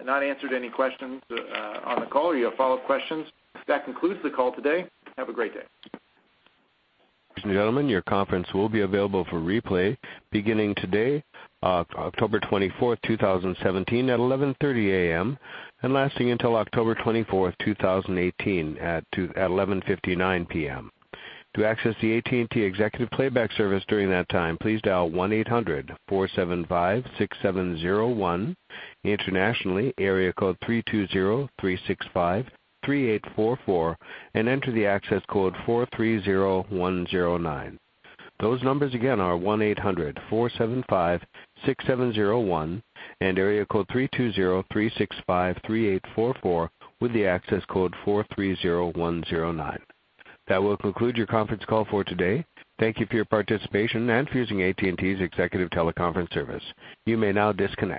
not answered any questions on the call or you have follow-up questions. That concludes the call today. Have a great day. Ladies and gentlemen, your conference will be available for replay beginning today, October 24th, 2017, at 11:30 A.M. and lasting until October 24th, 2018, at 11:59 P.M. To access the AT&T Executive Playback Service during that time, please dial 1-800-475-6701. Internationally, area code 320-365-3844, and enter the access code 430109. Those numbers again are 1-800-475-6701 and area code 320-365-3844 with the access code 430109. That will conclude your conference call for today. Thank you for your participation and for using AT&T's Executive Teleconference service. You may now disconnect.